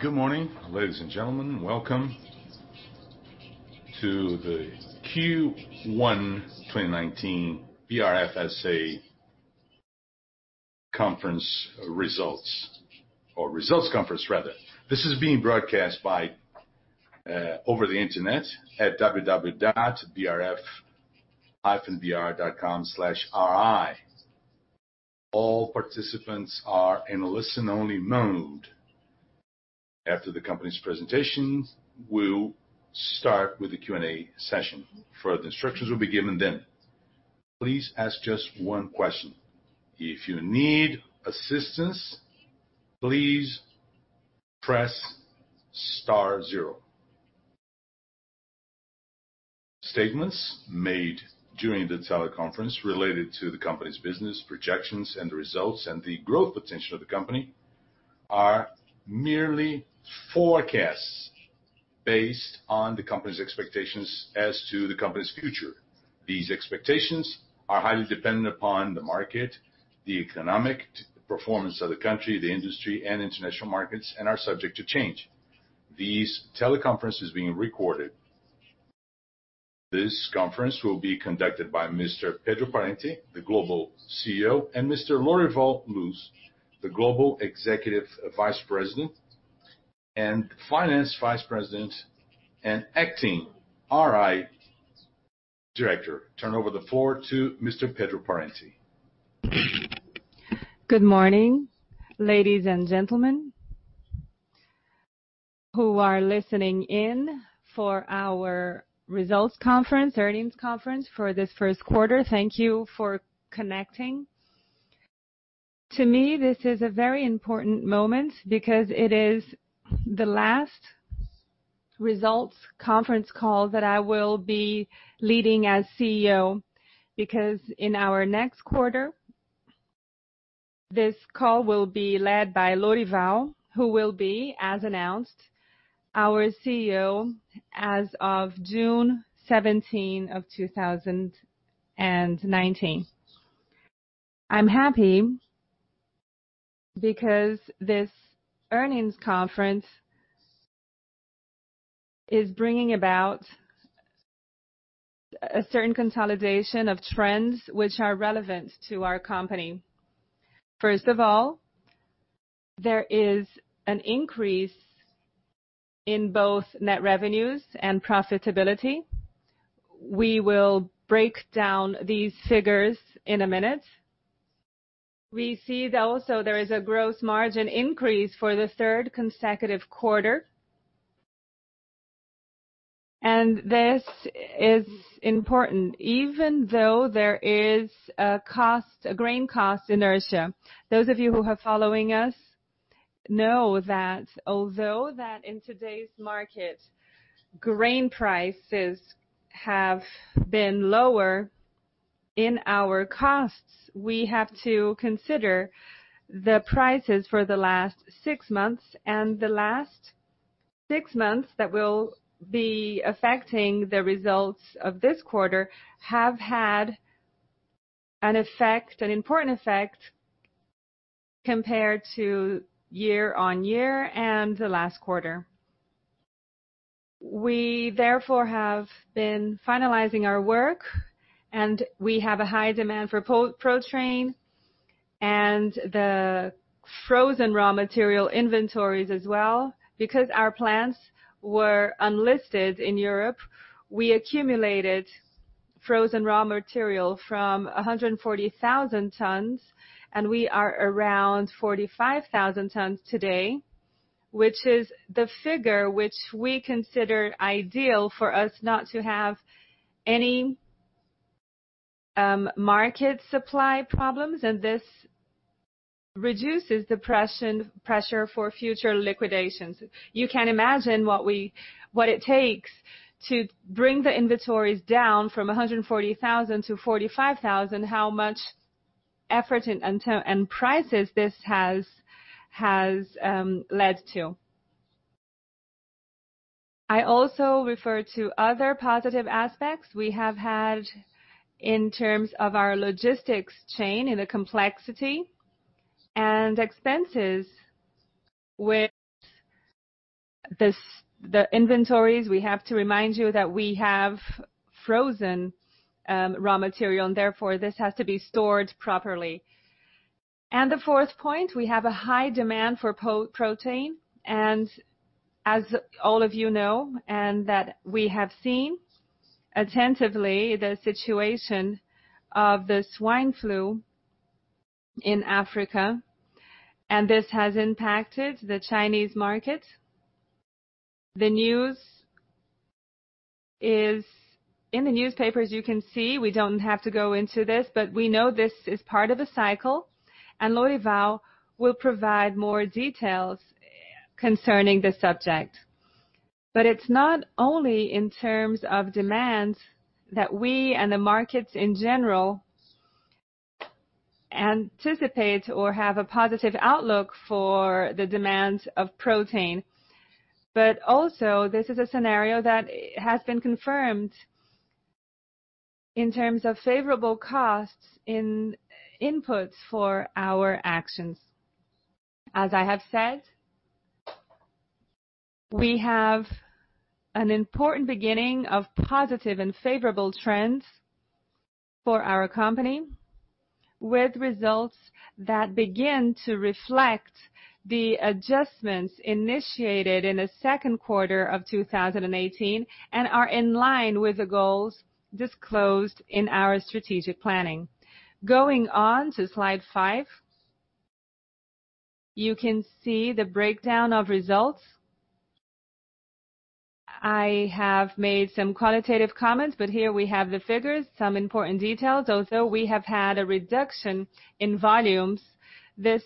Good morning, ladies and gentlemen. Welcome to the Q1 2019 BRF S.A. conference results or results conference rather. This is being broadcast over the internet at www.brf-br.com/ri. All participants are in listen-only mode. After the company's presentation, we'll start with the Q&A session. Further instructions will be given then. Please ask just one question. If you need assistance, please press star zero. Statements made during the teleconference related to the company's business projections and the results and the growth potential of the company are merely forecasts based on the company's expectations as to the company's future. These expectations are highly dependent upon the market, the economic performance of the country, the industry, and international markets, and are subject to change. This teleconference is being recorded. This conference will be conducted by Mr. Pedro Parente, the Global CEO, and Mr. Lorival Luz, the Global Executive Vice President and Finance Vice President and acting RI Director. Turn over the floor to Mr. Pedro Parente. Good morning, ladies and gentlemen who are listening in for our results conference, earnings conference for this first quarter. Thank you for connecting. To me, this is a very important moment because it is the last results conference call that I will be leading as CEO, because in our next quarter, this call will be led by Lorival, who will be, as announced, our CEO as of June 17, 2019. I'm happy because this earnings conference is bringing about a certain consolidation of trends which are relevant to our company. First of all, there is an increase in both net revenues and profitability. We will break down these figures in a minute. We see also there is a gross margin increase for the third consecutive quarter. This is important, even though there is a grain cost inertia. Those of you who are following us know that although that in today's market, grain prices have been lower in our costs, we have to consider the prices for the last six months. The last six months that will be affecting the results of this quarter have had an important effect compared to year-over-year and the last quarter. We therefore have been finalizing our work. We have a high demand for protein and the frozen raw material inventories as well. Because our plants were unlisted in Europe, we accumulated frozen raw material from 140,000 tons, and we are around 45,000 tons today, which is the figure which we consider ideal for us not to have any market supply problems. This reduces the pressure for future liquidations. You can imagine what it takes to bring the inventories down from 140,000 to 45,000, how much effort and prices this has led to. I also refer to other positive aspects we have had in terms of our logistics chain in the complexity and expenses with the inventories. We have to remind you that we have frozen raw material and therefore this has to be stored properly. The fourth point, we have a high demand for protein and as all of you know, that we have seen attentively the situation of the African swine fever, and this has impacted the Chinese market. The news is in the newspapers, you can see. We don't have to go into this, but we know this is part of a cycle, and Lorival will provide more details concerning the subject. It's not only in terms of demand that we and the markets in general anticipate or have a positive outlook for the demand of protein. Also this is a scenario that has been confirmed in terms of favorable costs in inputs for our actions. As I have said, we have an important beginning of positive and favorable trends for our company with results that begin to reflect the adjustments initiated in the second quarter of 2018 and are in line with the goals disclosed in our strategic planning. Going on to slide five, you can see the breakdown of results. I have made some qualitative comments, but here we have the figures, some important details. Although we have had a reduction in volumes, this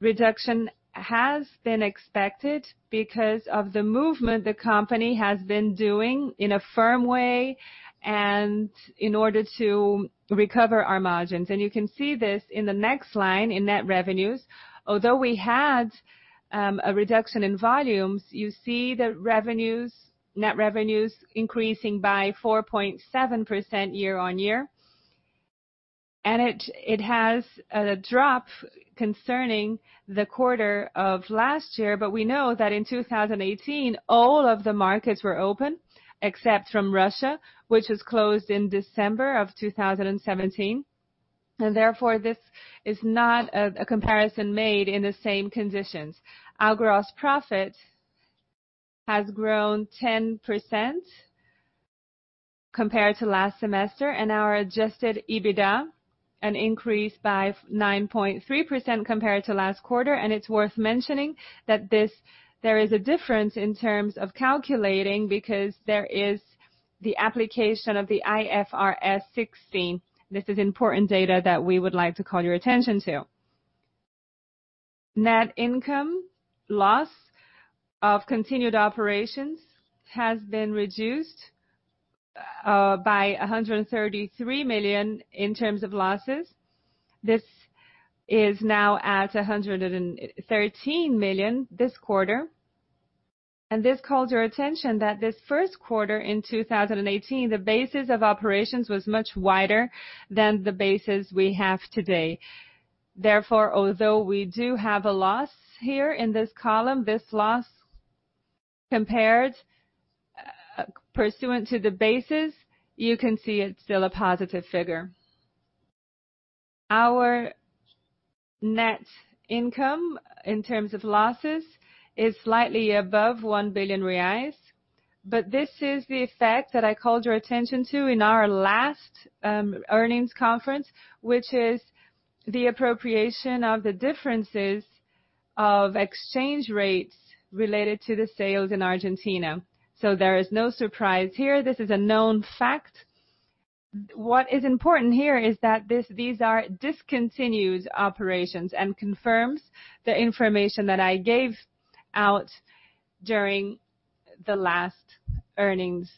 reduction has been expected because of the movement the company has been doing in a firm way and in order to recover our margins. You can see this in the next line in net revenues. Although we had a reduction in volumes, you see the net revenues increasing by 4.7% year-over-year. It has a drop concerning the quarter of last year, but we know that in 2018, all of the markets were open except from Russia, which was closed in December of 2017. Therefore, this is not a comparison made in the same conditions. Our gross profit has grown 10% compared to last semester, and our adjusted EBITDA an increase by 9.3% compared to last quarter. It's worth mentioning that there is a difference in terms of calculating because there is the application of the IFRS 16. This is important data that we would like to call your attention to. Net income loss of continued operations has been reduced by 133 million in terms of losses. This is now at 113 million this quarter. This calls your attention that this first quarter in 2018, the basis of operations was much wider than the basis we have today. Therefore, although we do have a loss here in this column, this loss compared pursuant to the basis, you can see it's still a positive figure. Our net income in terms of losses is slightly above 1 billion reais, but this is the effect that I called your attention to in our last earnings conference, which is the appropriation of the differences of exchange rates related to the sales in Argentina. There is no surprise here. This is a known fact. What is important here is that these are discontinued operations and confirms the information that I gave out during the last earnings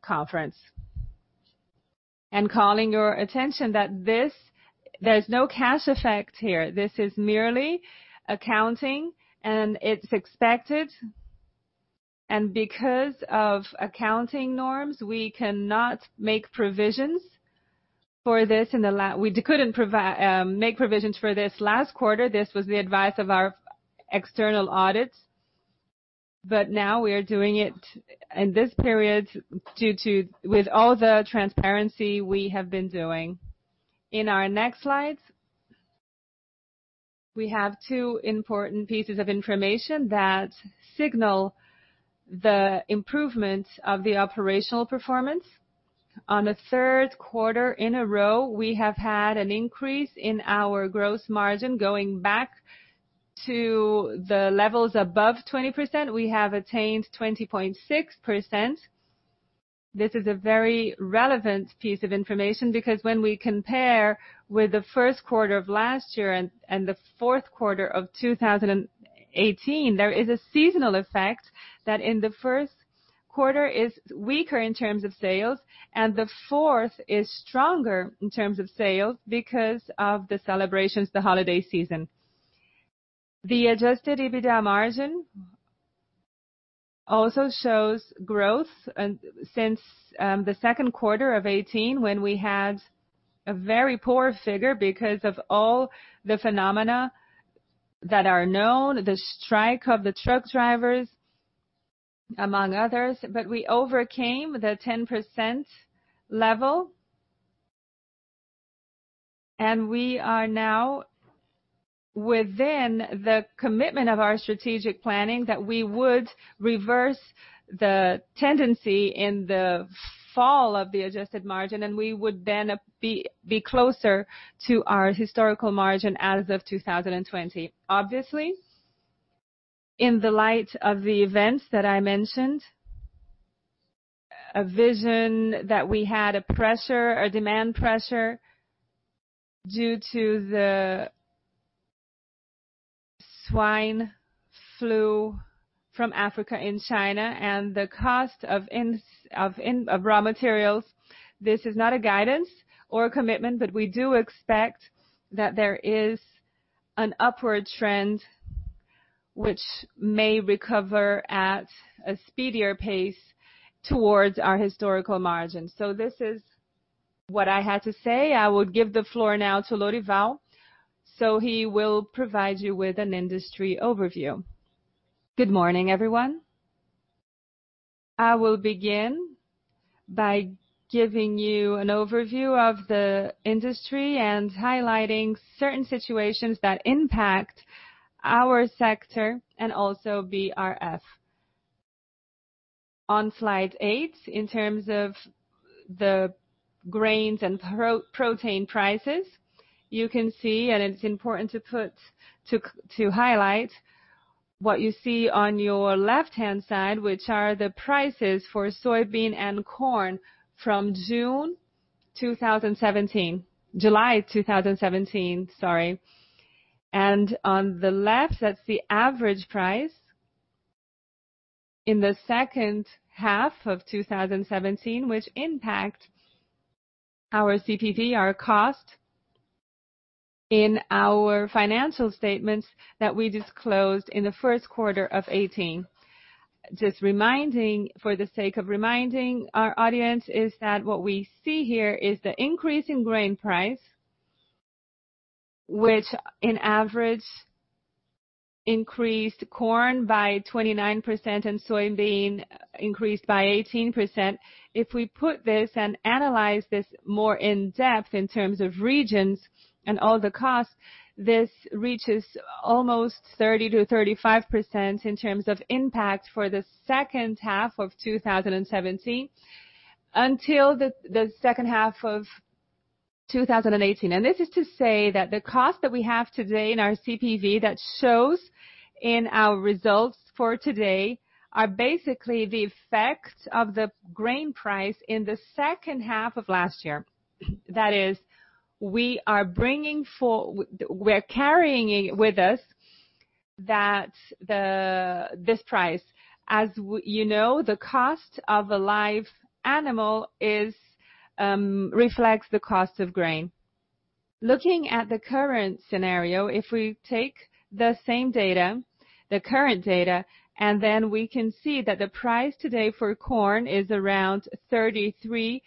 conference. Calling your attention that there's no cash effect here. This is merely accounting and it's expected. Because of accounting norms, we cannot make provisions for this. We couldn't make provisions for this last quarter. This was the advice of our external audits, now we are doing it in this period with all the transparency we have been doing. In our next slides, we have two important pieces of information that signal the improvement of the operational performance. On the third quarter in a row, we have had an increase in our gross margin going back to the levels above 20%. We have attained 20.6%. This is a very relevant piece of information because when we compare with the first quarter of last year and the fourth quarter of 2018, there is a seasonal effect that in the first quarter is weaker in terms of sales, the fourth is stronger in terms of sales because of the celebrations, the holiday season. The adjusted EBITDA margin also shows growth since the second quarter of 2018 when we had a very poor figure because of all the phenomena that are known, the strike of the truck drivers, among others. We overcame the 10% level, we are now within the commitment of our strategic planning that we would reverse the tendency in the fall of the adjusted margin, we would then be closer to our historical margin as of 2020. Obviously, in the light of the events that I mentioned, a vision that we had a demand pressure due to the African swine fever in China and the cost of raw materials. This is not a guidance or a commitment, we do expect that there is an upward trend which may recover at a speedier pace towards our historical margin. This is what I had to say. I would give the floor now to Lorival, he will provide you with an industry overview. Good morning, everyone. I will begin by giving you an overview of the industry and highlighting certain situations that impact our sector and also BRF. On slide eight, in terms of the grains and protein prices, you can see, it's important to highlight what you see on your left-hand side, which are the prices for soybean and corn from July 2017. On the left, that's the average price in the second half of 2017, which impact our CPV, our cost, in our financial statements that we disclosed in the first quarter of 2018. Just for the sake of reminding our audience, is that what we see here is the increase in grain price, which in average increased corn by 29% and soybean increased by 18%. If we put this and analyze this more in-depth in terms of regions and all the costs, this reaches almost 30%-35% in terms of impact for the second half of 2017 until the second half of 2018. This is to say that the cost that we have today in our CPV that shows in our results for today are basically the effect of the grain price in the second half of last year. That is, we are carrying with us this price. As you know, the cost of a live animal reflects the cost of grain. Looking at the current scenario, if we take the same data, the current data, we can see that the price today for corn is around 33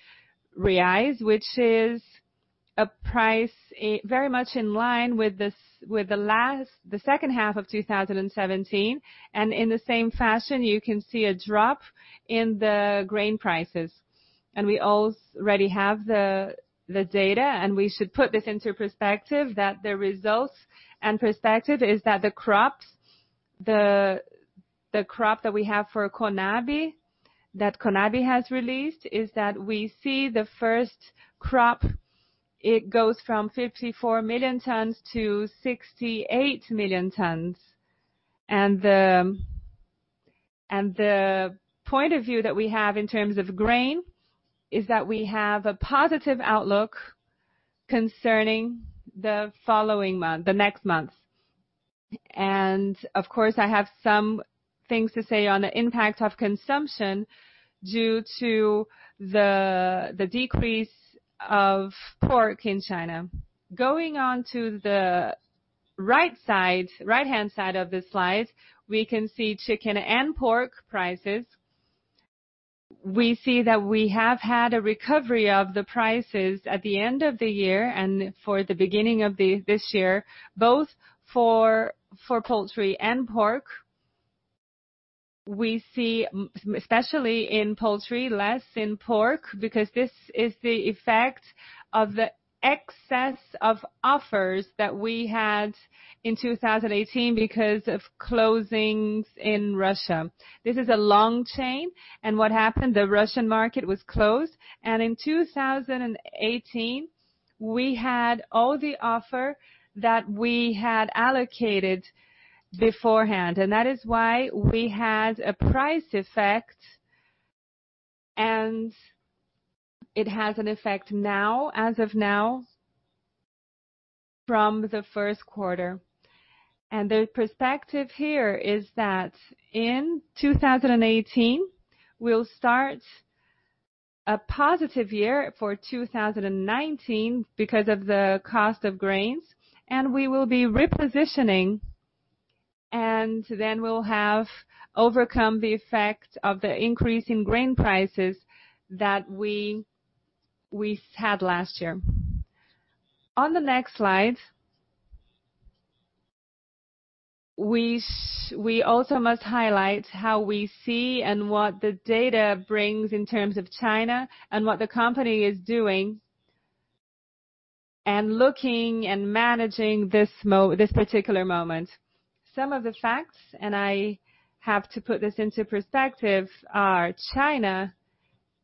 reais, which is a price very much in line with the second half of 2017. In the same fashion, you can see a drop in the grain prices. We already have the data, we should put this into perspective, that the results and perspective is that the crop that we have for CONAB, that CONAB has released, is that we see the first crop, it goes from 54 million tons to 68 million tons. The point of view that we have in terms of grain is that we have a positive outlook concerning the next months. Of course, I have some things to say on the impact of consumption due to the decrease of pork in China. Going on to the right-hand side of the slide, we can see chicken and pork prices. We see that we have had a recovery of the prices at the end of the year and for the beginning of this year, both for poultry and pork. We see, especially in poultry, less in pork, because this is the effect of the excess of offers that we had in 2018 because of closings in Russia. This is a long chain, what happened, the Russian market was closed, in 2018, we had all the offer that we had allocated beforehand. That is why we had a price effect, it has an effect now, as of now, from the first quarter. The perspective here is that in 2018, we'll start a positive year for 2019 because of the cost of grains, we will be repositioning, we'll have overcome the effect of the increase in grain prices that we had last year. On the next slide, we also must highlight how we see and what the data brings in terms of China and what the company is doing and looking and managing this particular moment. Some of the facts, I have to put this into perspective, are China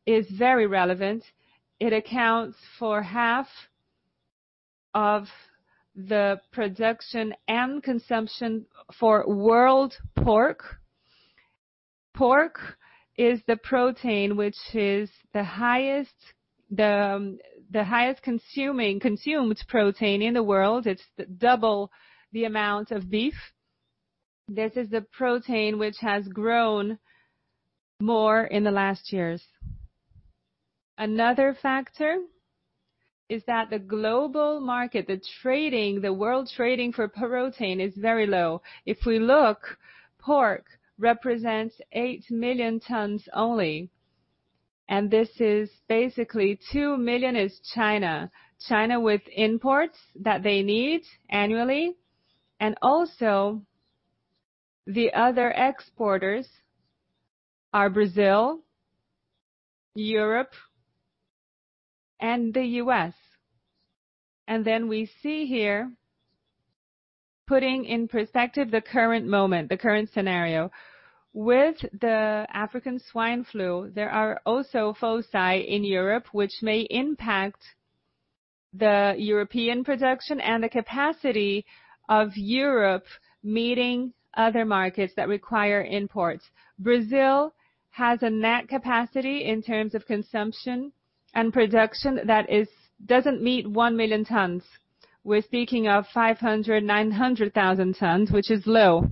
is very relevant. It accounts for half of the production and consumption for world pork. Pork is the protein which is the highest consumed protein in the world. It's double the amount of beef. This is the protein which has grown more in the last years. Another factor is that the global market, the world trading for protein is very low. If we look, pork represents 8 million tons only, this is basically 2 million is China. China with imports that they need annually, also the other exporters are Brazil, Europe, and the U.S. We see here, putting in perspective the current moment, the current scenario. With the African swine fever, there are also foci in Europe which may impact the European production and the capacity of Europe meeting other markets that require imports. Brazil has a net capacity in terms of consumption and production that doesn't meet 1 million tons. We're speaking of 500,000 to 900,000 tons, which is low.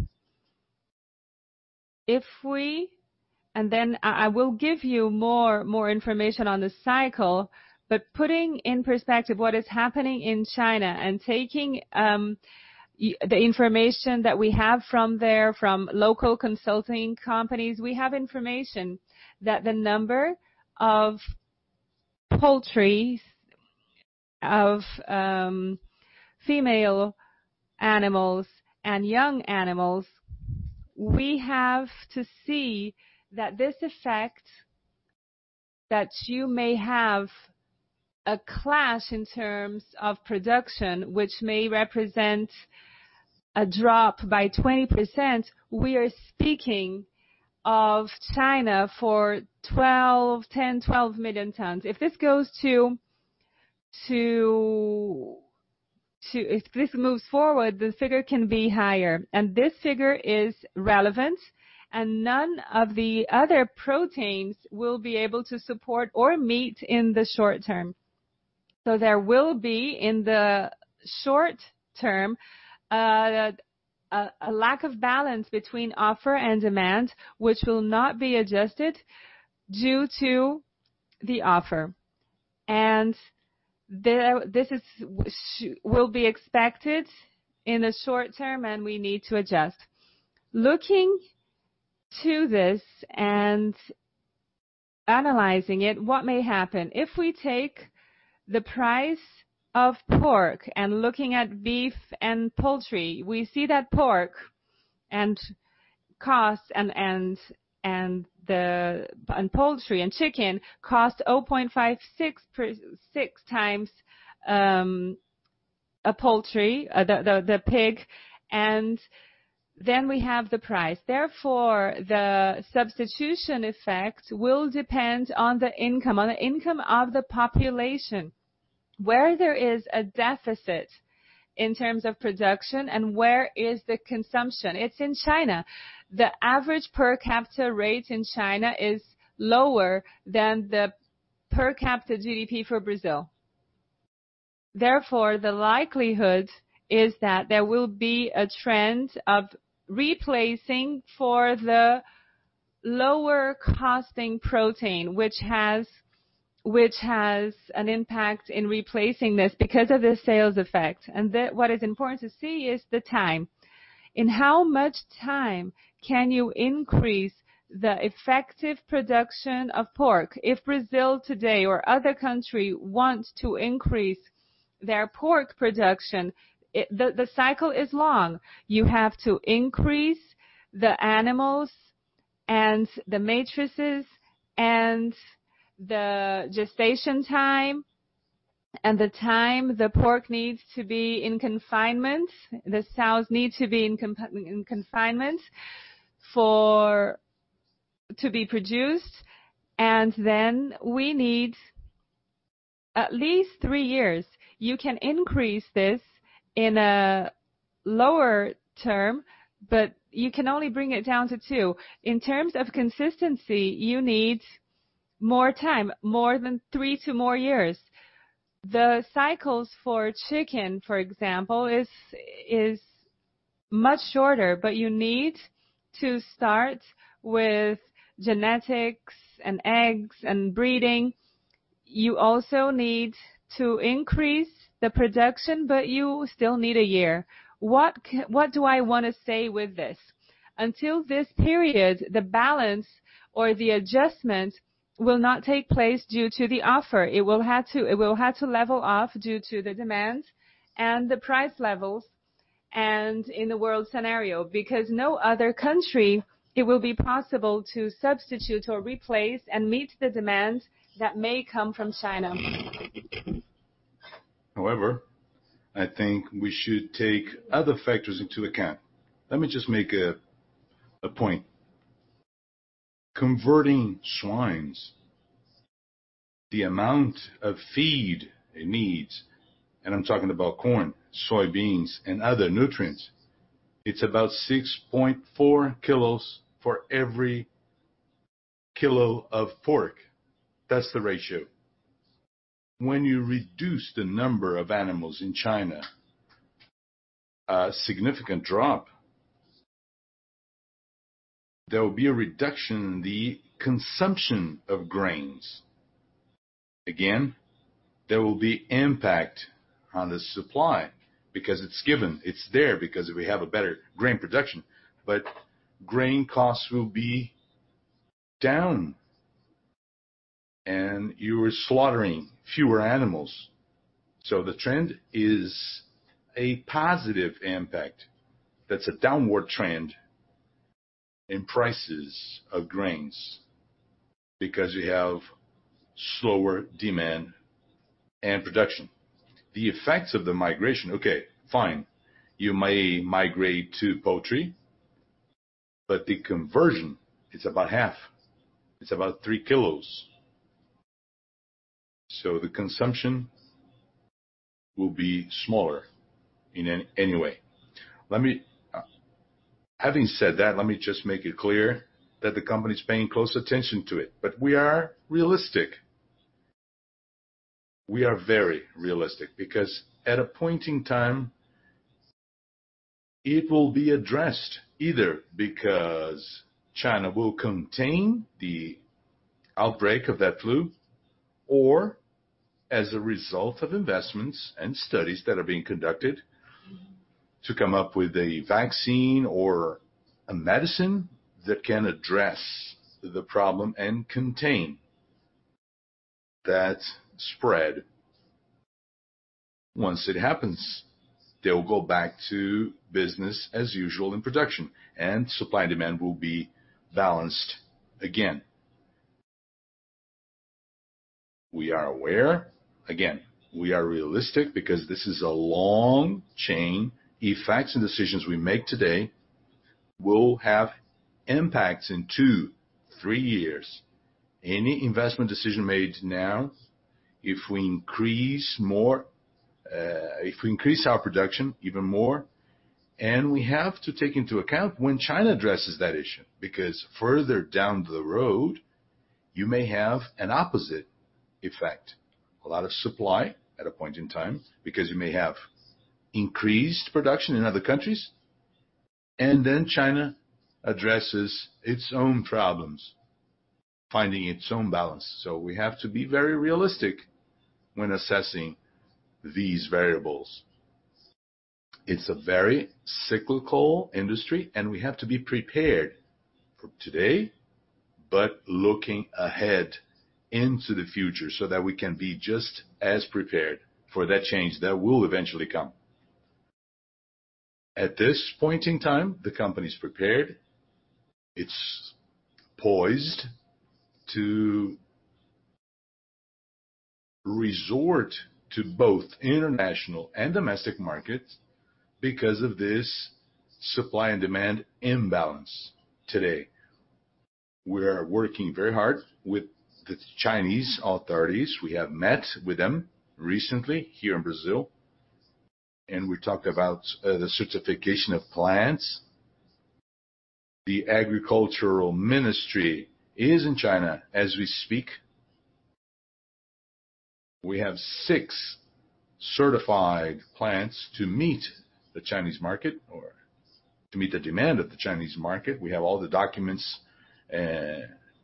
I will give you more information on this cycle, putting in perspective what is happening in China and taking the information that we have from there, from local consulting companies. We have information that the number of poultry, of female animals and young animals, we have to see that this effect that you may have a clash in terms of production, which may represent a drop by 20%. We are speaking of China for 10 to 12 million tons. If this moves forward, the figure can be higher. This figure is relevant, and none of the other proteins will be able to support or meet in the short term. There will be, in the short term, a lack of balance between offer and demand, which will not be adjusted due to the offer. This will be expected in the short term, and we need to adjust. Looking to this and analyzing it, what may happen? If we take the price of pork and looking at beef and poultry, we see that pork and poultry and chicken cost 0.56 times the pig, and then we have the price. Therefore, the substitution effect will depend on the income of the population. Where there is a deficit in terms of production and where is the consumption? It's in China. The average per capita rate in China is lower than the per capita GDP for Brazil. Therefore, the likelihood is that there will be a trend of replacing for the lower costing protein, which has an impact in replacing this because of the sales effect. What is important to see is the time. In how much time can you increase the effective production of pork? If Brazil today or other country wants to increase their pork production, the cycle is long. You have to increase the animals and the matrices and the gestation time, and the time the pork needs to be in confinement, the sows need to be in confinement to be produced. We need at least 3 years. You can increase this in a lower term, but you can only bring it down to 2. In terms of consistency, you need more time, more than 3 to more years. The cycles for chicken, for example, is much shorter, but you need to start with genetics and eggs and breeding. You also need to increase the production, but you still need a year. What do I want to say with this? Until this period, the balance or the adjustment will not take place due to the offer. It will have to level off due to the demand and the price levels and in the world scenario. No other country, it will be possible to substitute or replace and meet the demand that may come from China. I think we should take other factors into account. Let me just make a point. Converting swines, the amount of feed it needs, and I'm talking about corn, soybeans, and other nutrients, it's about 6.4 kilos for every kilo of pork. That's the ratio. When you reduce the number of animals in China, there will be a reduction in the consumption of grains. There will be impact on the supply because it's given, it's there because we have a better grain production. Grain costs will be down, and you are slaughtering fewer animals. The trend is a positive impact. That's a downward trend in prices of grains because you have slower demand and production. The effects of the migration, okay, fine. You may migrate to poultry, the conversion, it's about half. It's about three kilos. The consumption will be smaller in any way. Having said that, let me just make it clear that the company's paying close attention to it. We are realistic. We are very realistic because at a point in time, it will be addressed either because China will contain the outbreak of that flu or as a result of investments and studies that are being conducted to come up with a vaccine or a medicine that can address the problem and contain that spread. Once it happens, they will go back to business as usual in production, and supply and demand will be balanced again. We are aware, we are realistic because this is a long chain. Effects and decisions we make today will have impacts in two, three years. Any investment decision made now, if we increase our production even more, and we have to take into account when China addresses that issue, because further down the road, you may have an opposite effect. A lot of supply at a point in time because you may have increased production in other countries, and then China addresses its own problems, finding its own balance. We have to be very realistic when assessing these variables. It's a very cyclical industry, we have to be prepared for today, looking ahead into the future so that we can be just as prepared for that change that will eventually come. At this point in time, the company's prepared. It's poised to resort to both international and domestic markets because of this supply and demand imbalance today. We are working very hard with the Chinese authorities. We have met with them recently here in Brazil, we talked about the certification of plants. The Ministry of Agriculture is in China as we speak. We have six certified plants to meet the Chinese market or to meet the demand of the Chinese market. We have all the documents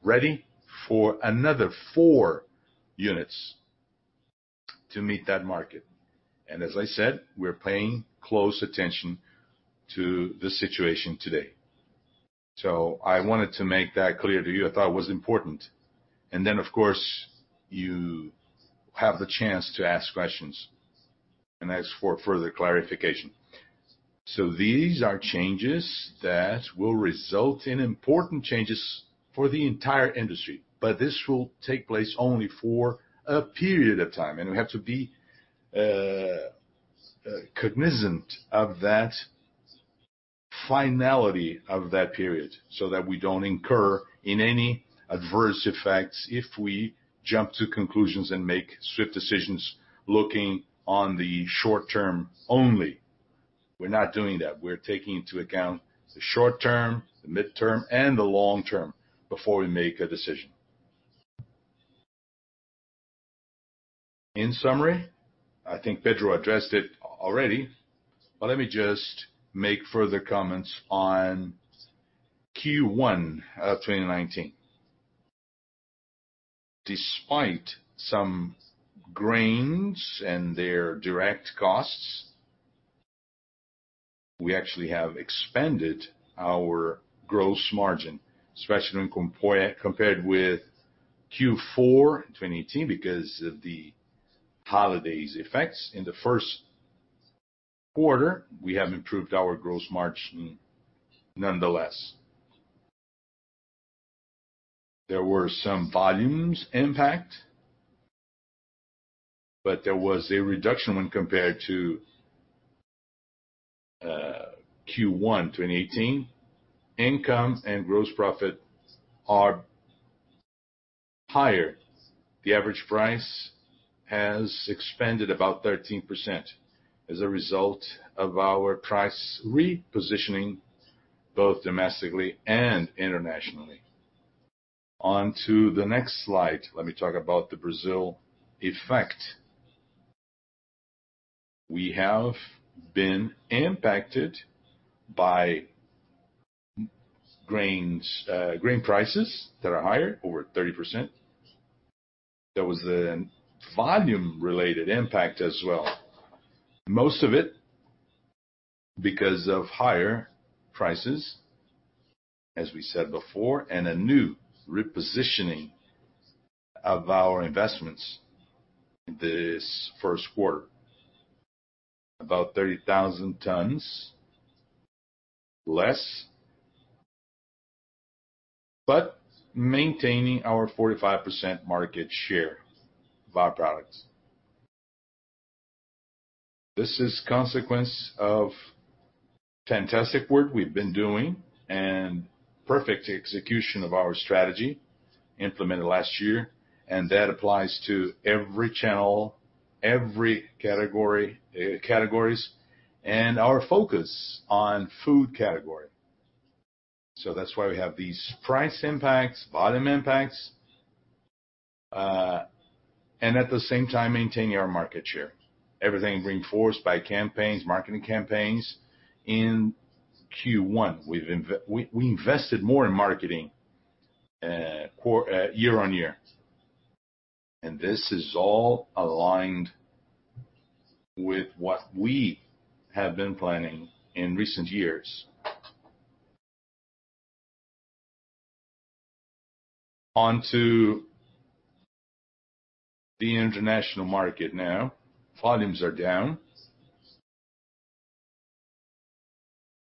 ready for another four units to meet that market. As I said, we're paying close attention to the situation today. I wanted to make that clear to you. I thought it was important. Of course, you have the chance to ask questions and ask for further clarification. These are changes that will result in important changes for the entire industry, but this will take place only for a period of time, and we have to be cognizant of that finality of that period so that we don't incur in any adverse effects if we jump to conclusions and make swift decisions looking on the short term only. We're not doing that. We're taking into account the short term, the midterm, and the long term before we make a decision. In summary, I think Pedro addressed it already, but let me just make further comments on Q1 of 2019. Despite some grains and their direct costs, we actually have expanded our gross margin, especially when compared with Q4 2018 because of the holidays effects. In the first quarter, we have improved our gross margin nonetheless. There were some volumes impact, there was a reduction when compared to Q1 2018. Income and gross profit are higher. The average price has expanded about 13% as a result of our price repositioning, both domestically and internationally. On to the next slide. Let me talk about the Brazil effect. We have been impacted by grain prices that are higher, over 30%. There was a volume related impact as well. Most of it because of higher prices, as we said before, and a new repositioning of our investments in this first quarter. About 30,000 tons less, but maintaining our 45% market share of our products. This is consequence of fantastic work we've been doing and perfect execution of our strategy implemented last year, and that applies to every channel, every categories, and our focus on food category. That's why we have these price impacts, volume impacts, and at the same time maintain our market share. Everything reinforced by campaigns, marketing campaigns in Q1. We invested more in marketing year-over-year. This is all aligned with what we have been planning in recent years. On to the international market now. Volumes are down.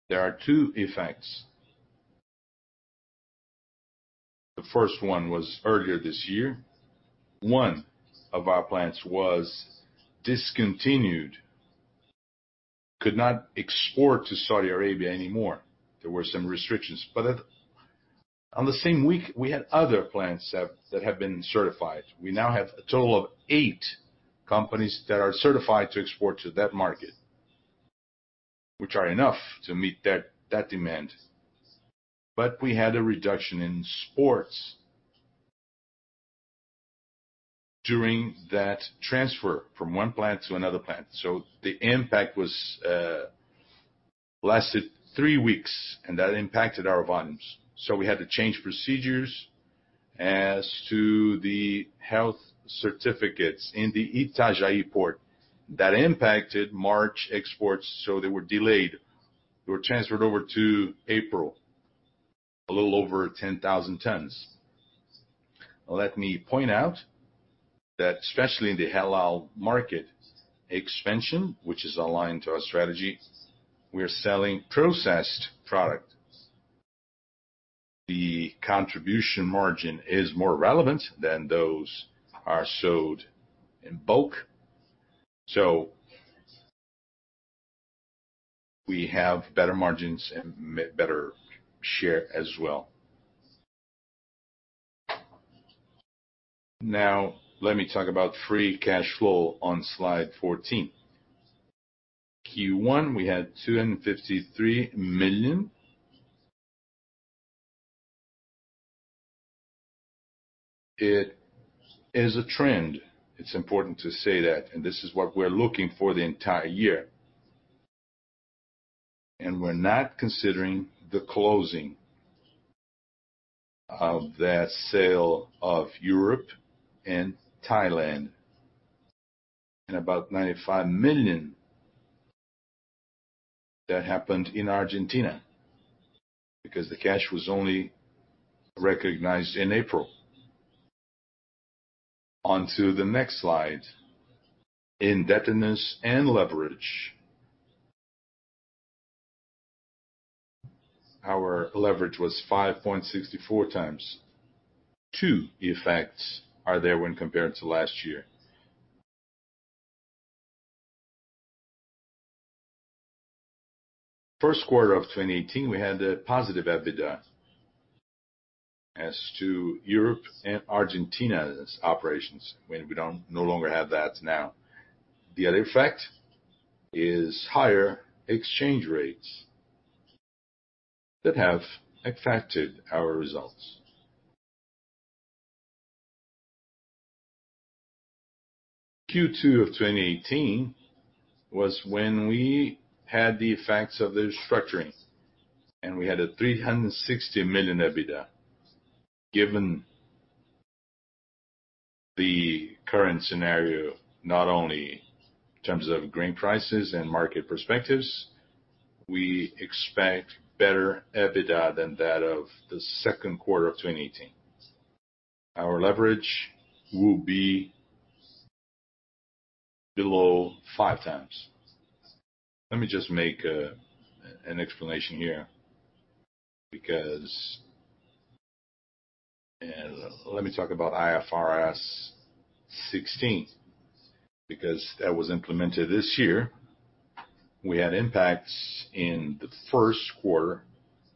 There are two effects. The first one was earlier this year. One of our plants was discontinued, could not export to Saudi Arabia anymore. There were some restrictions. On the same week, we had other plants that have been certified. We now have a total of eight companies that are certified to export to that market, which are enough to meet that demand. We had a reduction in exports during that transfer from one plant to another plant. The impact lasted three weeks, and that impacted our volumes. We had to change procedures as to the health certificates in the Itajaí port. That impacted March exports, they were delayed. They were transferred over to April, a little over 10,000 tons. Let me point out that especially in the halal market expansion, which is aligned to our strategy, we're selling processed product. The contribution margin is more relevant than those are sold in bulk. We have better margins and better share as well. Let me talk about free cash flow on slide 14. Q1, we had BRL 253 million. It is a trend. It's important to say that, and this is what we're looking for the entire year. We're not considering the closing of that sale of Europe and Thailand, and about 95 million that happened in Argentina because the cash was only recognized in April. On to the next slide, indebtedness and leverage. Our leverage was 5.64 times. Two effects are there when compared to last year. First quarter of 2018, we had a positive EBITDA as to Europe and Argentina's operations, we no longer have that now. The other effect is higher exchange rates that have affected our results. Q2 of 2018 was when we had the effects of the restructuring, and we had a 360 million EBITDA. Given the current scenario, not only in terms of grain prices and market perspectives, we expect better EBITDA than that of the second quarter of 2018. Our leverage will be below five times. Let me just make an explanation here. Let me talk about IFRS 16, because that was implemented this year. We had impacts in the first quarter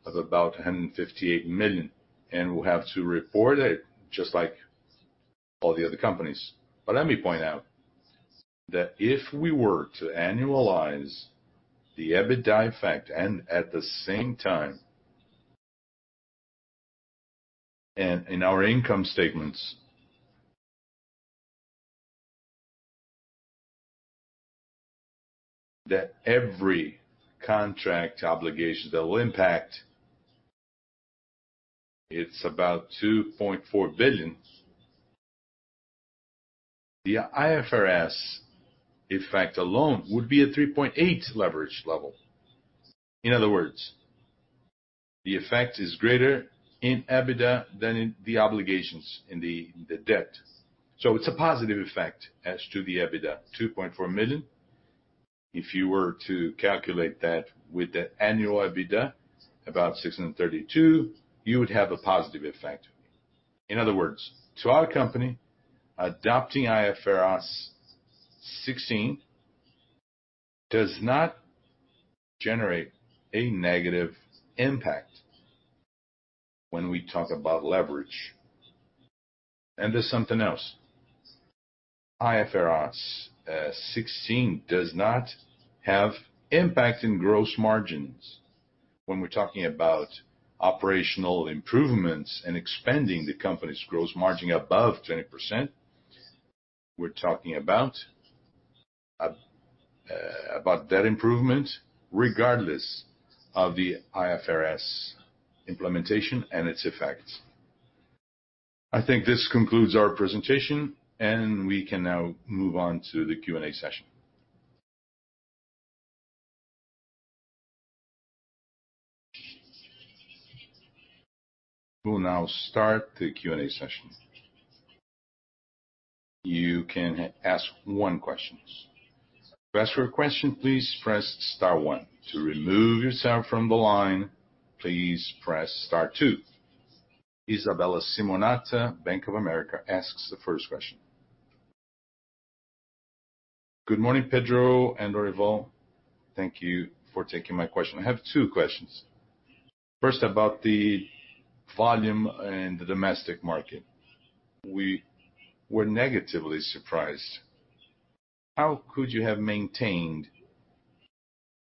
of about 158 million, and we'll have to report it just like all the other companies. Let me point out that if we were to annualize the EBITDA effect and at the same time in our income statements, that every contract obligation that will impact, it's about BRL 2.4 billion. The IFRS effect alone would be a 3.8 leverage level. In other words, the effect is greater in EBITDA than in the obligations in the debt. It's a positive effect as to the EBITDA 2.4 million. If you were to calculate that with the annual EBITDA, about 632, you would have a positive effect. In other words, to our company, adopting IFRS 16 does not generate a negative impact when we talk about leverage. There's something else. IFRS 16 does not have impact in gross margins. When we're talking about operational improvements and expanding the company's gross margin above 20%, we're talking about that improvement regardless of the IFRS implementation and its effects. I think this concludes our presentation, and we can now move on to the Q&A session. We'll now start the Q&A session. You can ask one question. To ask your question, please press star one. To remove yourself from the line, please press star two. Isabella Simonato, Bank of America, asks the first question. Good morning, Pedro and Lorival. Thank you for taking my question. I have two questions. First, about the volume in the domestic market. We were negatively surprised. How could you have maintained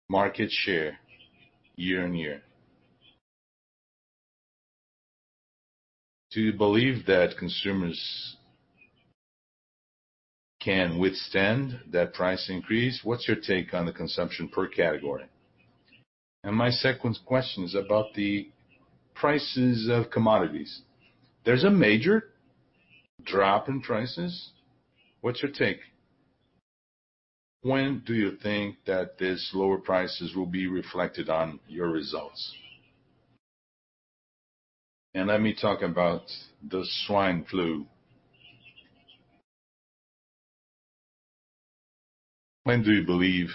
market share year-over-year? Do you believe that consumers can withstand that price increase? What's your take on the consumption per category? My second question is about the prices of commodities. There's a major drop in prices. What's your take? When do you think that these lower prices will be reflected on your results? Let me talk about the African swine fever. When do you believe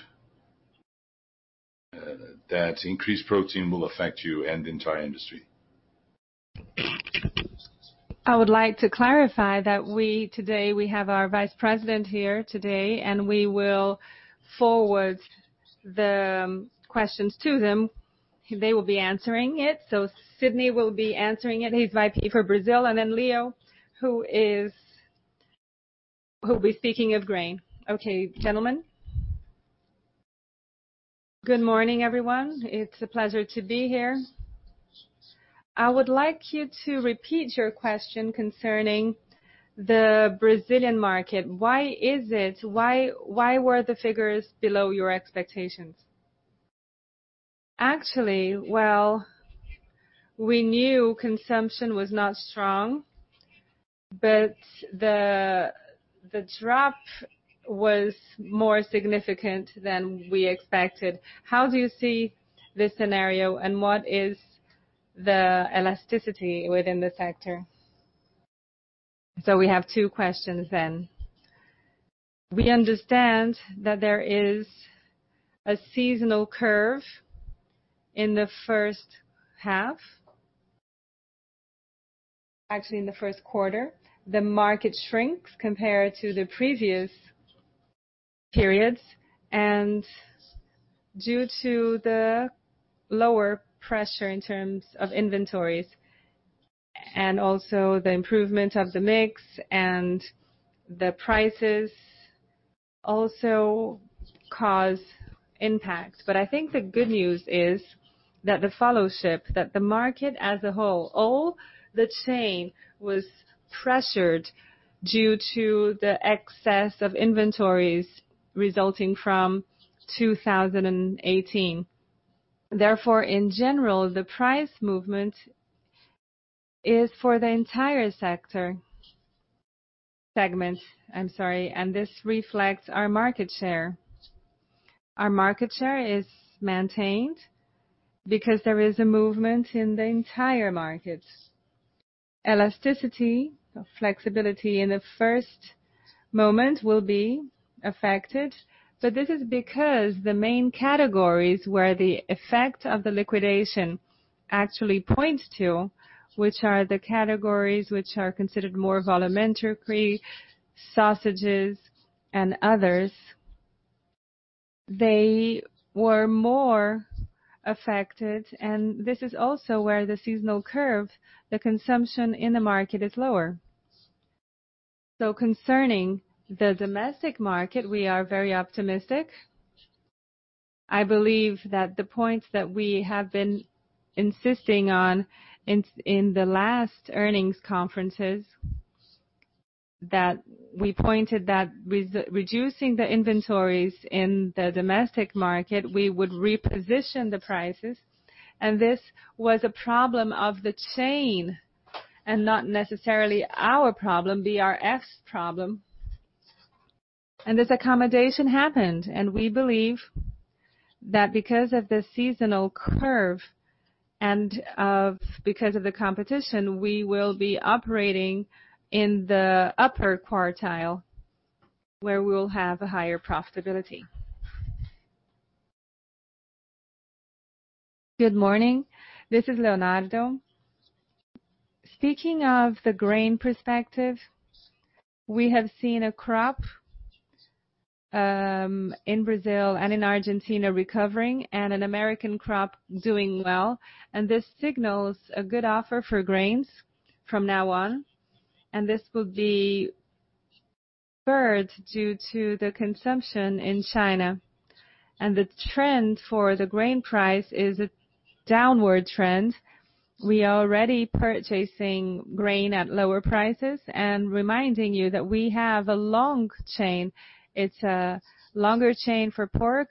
that increased protein will affect you and the entire industry? I would like to clarify that today we have our vice president here today, and we will forward the questions to them. They will be answering it. Sidney will be answering it. He's VP for Brazil, and then Leo, who'll be speaking of grain. Okay, gentlemen. Good morning, everyone. It's a pleasure to be here. I would like you to repeat your question concerning the Brazilian market. Why is it? Why were the figures below your expectations? We knew consumption was not strong, but the drop was more significant than we expected. How do you see this scenario, and what is the elasticity within the sector? We have two questions then. We understand that there is a seasonal curve in the first half. In the first quarter, the market shrinks compared to the previous periods, and due to the lower pressure in terms of inventories and also the improvement of the mix and the prices also cause impact. I think the good news is that the followership, that the market as a whole, all the chain was pressured due to the excess of inventories resulting from 2018. In general, the price movement is for the entire segment, I'm sorry, and this reflects our market share. Our market share is maintained because there is a movement in the entire market. Elasticity, flexibility in the first moment will be affected, but this is because the main categories where the effect of the liquidation actually points to, which are the categories which are considered more volumetrically, sausages and others, they were more affected, and this is also where the seasonal curve, the consumption in the market is lower. Concerning the domestic market, we are very optimistic. I believe that the points that we have been insisting on in the last earnings conferences, that we pointed that reducing the inventories in the domestic market, we would reposition the prices and this was a problem of the chain and not necessarily our problem, BRF's problem. This accommodation happened, and we believe that because of the seasonal curve and because of the competition, we will be operating in the upper quartile, where we will have a higher profitability. Good morning. This is Leonardo. Speaking of the grain perspective, we have seen a crop in Brazil and in Argentina recovering and an American crop doing well, and this signals a good offer for grains from now on. This will be referred due to the consumption in China. The trend for the grain price is a downward trend. We are already purchasing grain at lower prices and reminding you that we have a long chain. It's a longer chain for pork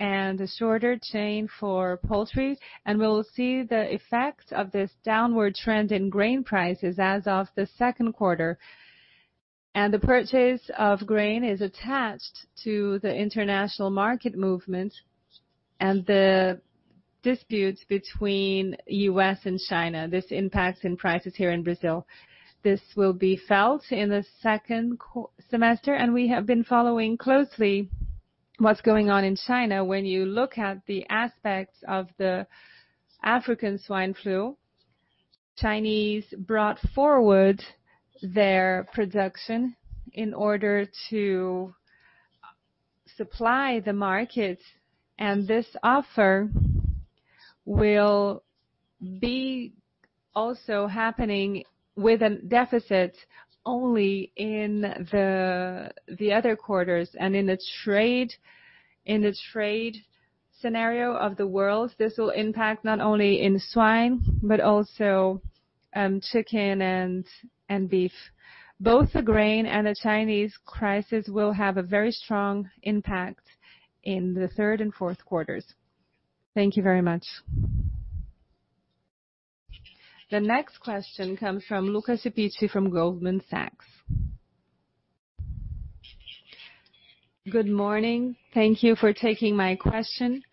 and a shorter chain for poultry, and we will see the effect of this downward trend in grain prices as of the second quarter. The purchase of grain is attached to the international market movement and the disputes between U.S. and China. This impacts in prices here in Brazil. This will be felt in the second semester, and we have been following closely what's going on in China. When you look at the aspects of the African swine fever, Chinese brought forward their production in order to supply the market, and this offer will be also happening with a deficit only in the other quarters. In the trade scenario of the world, this will impact not only in swine but also chicken and beef. Both the grain and the Chinese crisis will have a very strong impact in the third and fourth quarters. Thank you very much. The next question comes from Luca Cipiccia from Goldman Sachs. Good morning. Thank you for taking my question.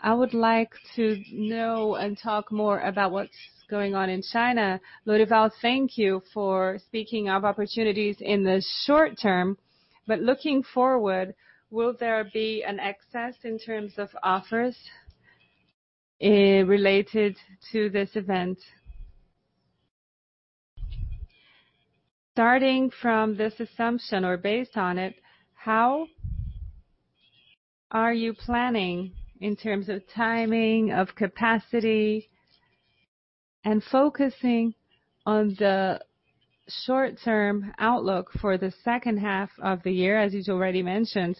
I would like to know and talk more about what's going on in China. Lorival, thank you for speaking of opportunities in the short term. But looking forward, will there be an excess in terms of offers related to this event? Based on that, how are you planning in terms of timing, of capacity, and focusing on the short-term outlook for the second half of the year, as you already mentioned.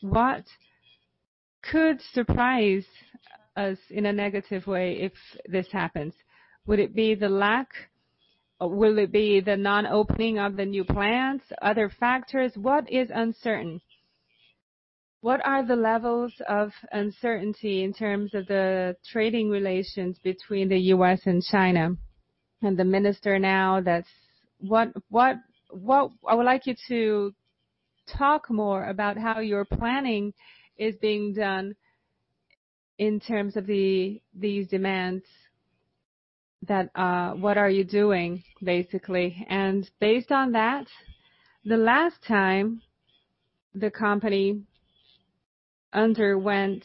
What could surprise us in a negative way if this happens? Will it be the non-opening of the new plants, other factors? What is uncertain? What are the levels of uncertainty in terms of the trading relations between the U.S. and China and the minister now? I would like you to talk more about how your planning is being done in terms of these demands, what are you doing basically? Based on that, the last time the company underwent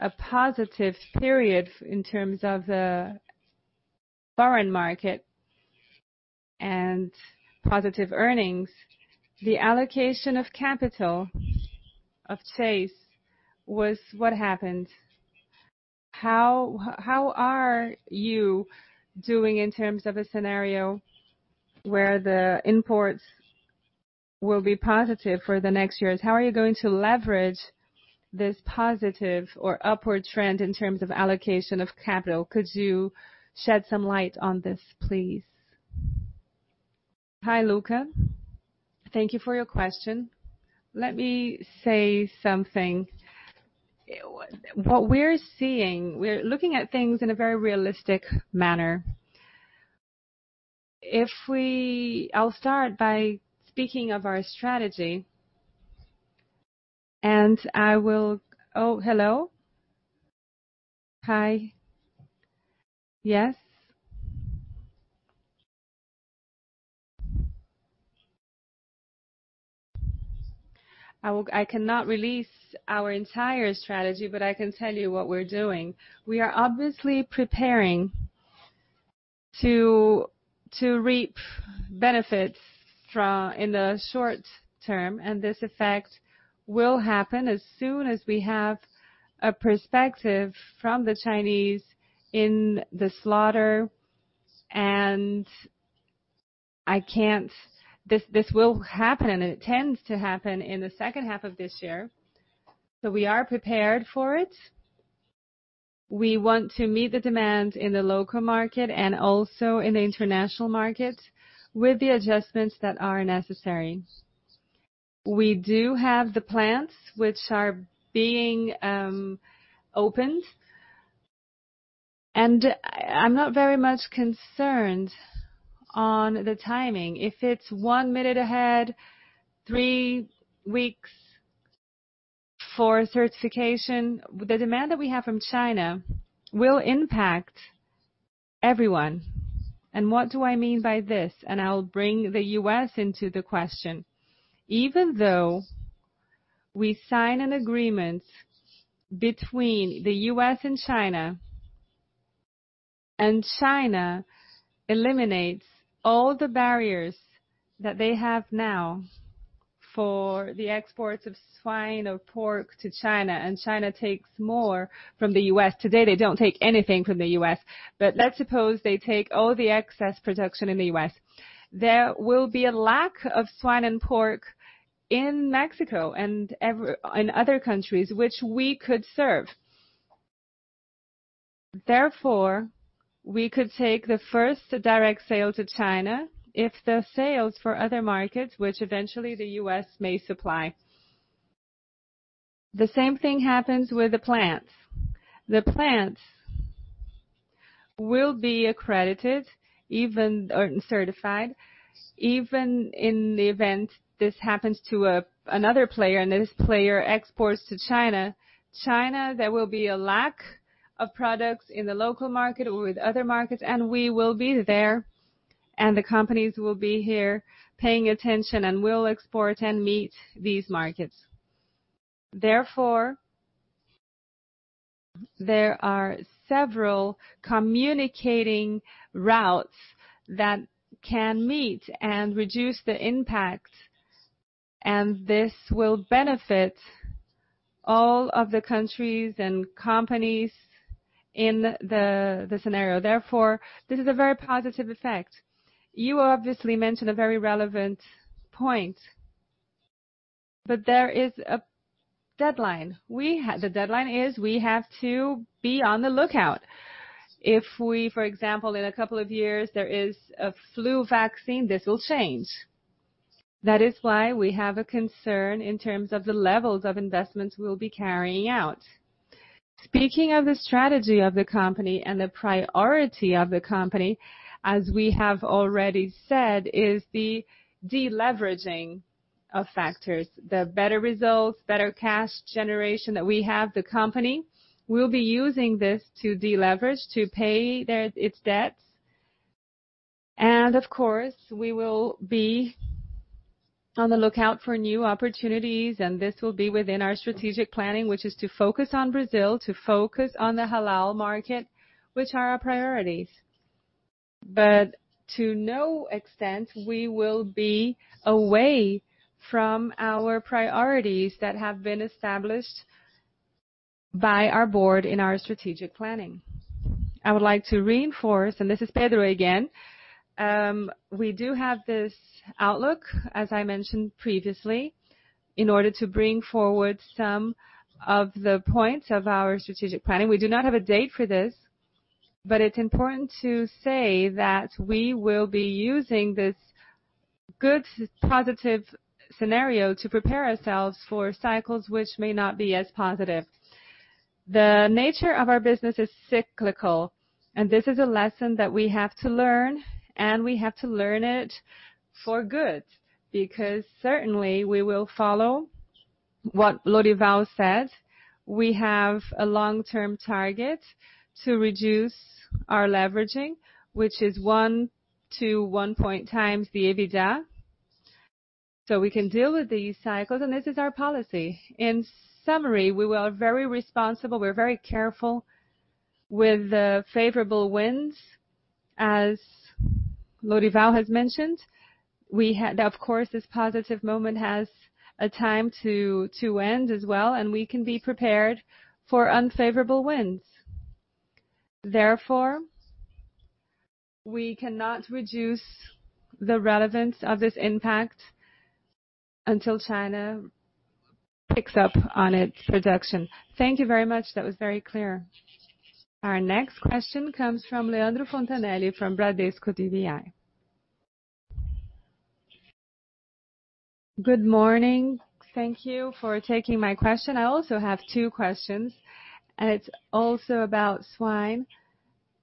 a positive period in terms of the foreign market and positive earnings, the allocation of capital, of phase, was what happened. How are you doing in terms of a scenario where the imports will be positive for the next years? How are you going to leverage this positive or upward trend in terms of allocation of capital? Could you shed some light on this, please? Hi, Luca. Thank you for your question. Let me say something. What we're seeing, we're looking at things in a very realistic manner. I'll start by speaking of our strategy. Oh, hello. Hi. Yes. I cannot release our entire strategy, but I can tell you what we're doing. We are obviously preparing to reap benefits in the short term, and this effect will happen as soon as we have a perspective from the Chinese in the slaughter. This will happen. It tends to happen in the second half of this year. We are prepared for it. We want to meet the demand in the local market and also in the international market with the adjustments that are necessary. We do have the plants which are being opened. I'm not very much concerned on the timing. If it's one minute ahead, three weeks for certification. The demand that we have from China will impact everyone. What do I mean by this? I will bring the U.S. into the question. Even though we sign an agreement between the U.S. and China, and China eliminates all the barriers that they have now for the exports of swine or pork to China, and China takes more from the U.S. Today, they don't take anything from the U.S. Let's suppose they take all the excess production in the U.S. There will be a lack of swine and pork in Mexico and in other countries, which we could serve. We could take the first direct sale to China if the sales for other markets, which eventually the U.S. may supply. The same thing happens with the plants. The plants will be accredited or certified. Even in the event this happens to another player, and this player exports to China. China. There will be a lack of products in the local market or with other markets, and we will be there, and the companies will be here paying attention, and we'll export and meet these markets. There are several communicating routes that can meet and reduce the impact, and this will benefit all of the countries and companies in the scenario. This is a very positive effect. You obviously mentioned a very relevant point, that there is a deadline. The deadline is we have to be on the lookout. If we, for example, in a couple of years, there is a flu vaccine, this will change. That is why we have a concern in terms of the levels of investments we'll be carrying out. Speaking of the strategy of the company and the priority of the company, as we have already said, is the deleveraging of factors. The better results, better cash generation that we have, the company will be using this to deleverage, to pay its debts. Of course, we will be on the lookout for new opportunities, and this will be within our strategic planning, which is to focus on Brazil, to focus on the halal market, which are our priorities. To no extent, we will be away from our priorities that have been established by our board in our strategic planning. I would like to reinforce. This is Pedro again. We do have this outlook, as I mentioned previously, in order to bring forward some of the points of our strategic planning. We do not have a date for this, but it's important to say that we will be using this good, positive scenario to prepare ourselves for cycles which may not be as positive. The nature of our business is cyclical, and this is a lesson that we have to learn, and we have to learn it for good, because certainly, we will follow what Lorival said. We have a long-term target to reduce our leveraging, which is one to 1.0x the EBITDA. We can deal with these cycles, and this is our policy. In summary, we are very responsible, we're very careful with the favorable winds, as Lorival has mentioned. Of course, this positive moment has a time to end as well, and we can be prepared for unfavorable winds. We cannot reduce the relevance of this impact until China picks up on its production. Thank you very much. That was very clear. Our next question comes from Leandro Fontanesi from Bradesco BBI. Good morning. Thank you for taking my question. I also have two questions. It's also about swine.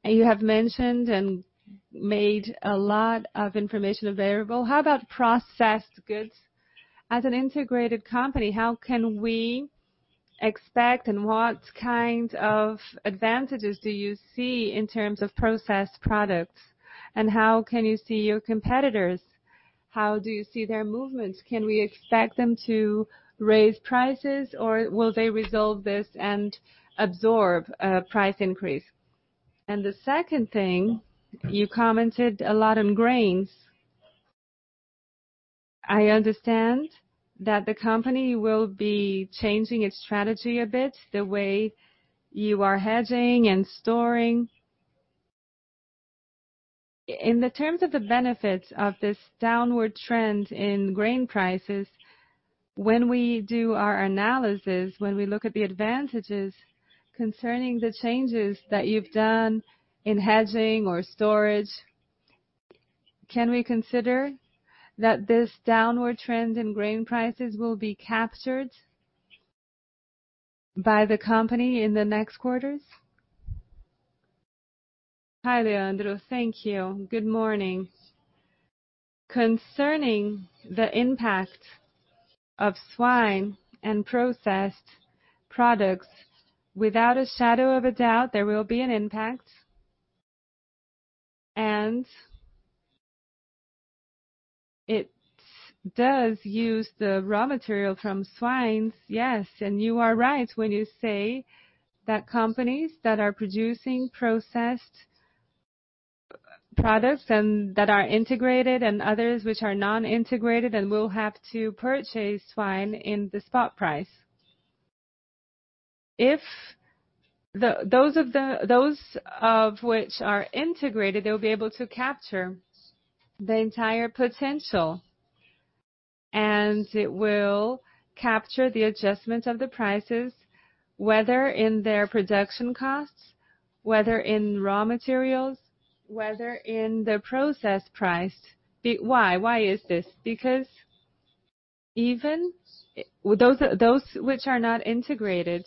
You have mentioned and made a lot of information available. How about processed goods? As an integrated company, how can we expect? What kind of advantages do you see in terms of processed products? How can you see your competitors? How do you see their movements? Can we expect them to raise prices or will they resolve this and absorb a price increase? The second thing, you commented a lot on grains. I understand that the company will be changing its strategy a bit, the way you are hedging and storing. In terms of the benefits of this downward trend in grain prices, when we do our analysis, when we look at the advantages concerning the changes that you've done in hedging or storage, can we consider that this downward trend in grain prices will be captured by the company in the next quarters? Hi, Leandro. Thank you. Good morning. Concerning the impact of swine and processed products, without a shadow of a doubt, there will be an impact. It does use the raw material from swines, yes. You are right when you say that companies that are producing processed products and that are integrated and others which are non-integrated and will have to purchase swine in the spot price. Those of which are integrated, they will be able to capture the entire potential, it will capture the adjustment of the prices, whether in their production costs, whether in raw materials, whether in the process price. Why? Why is this? Even those which are not integrated,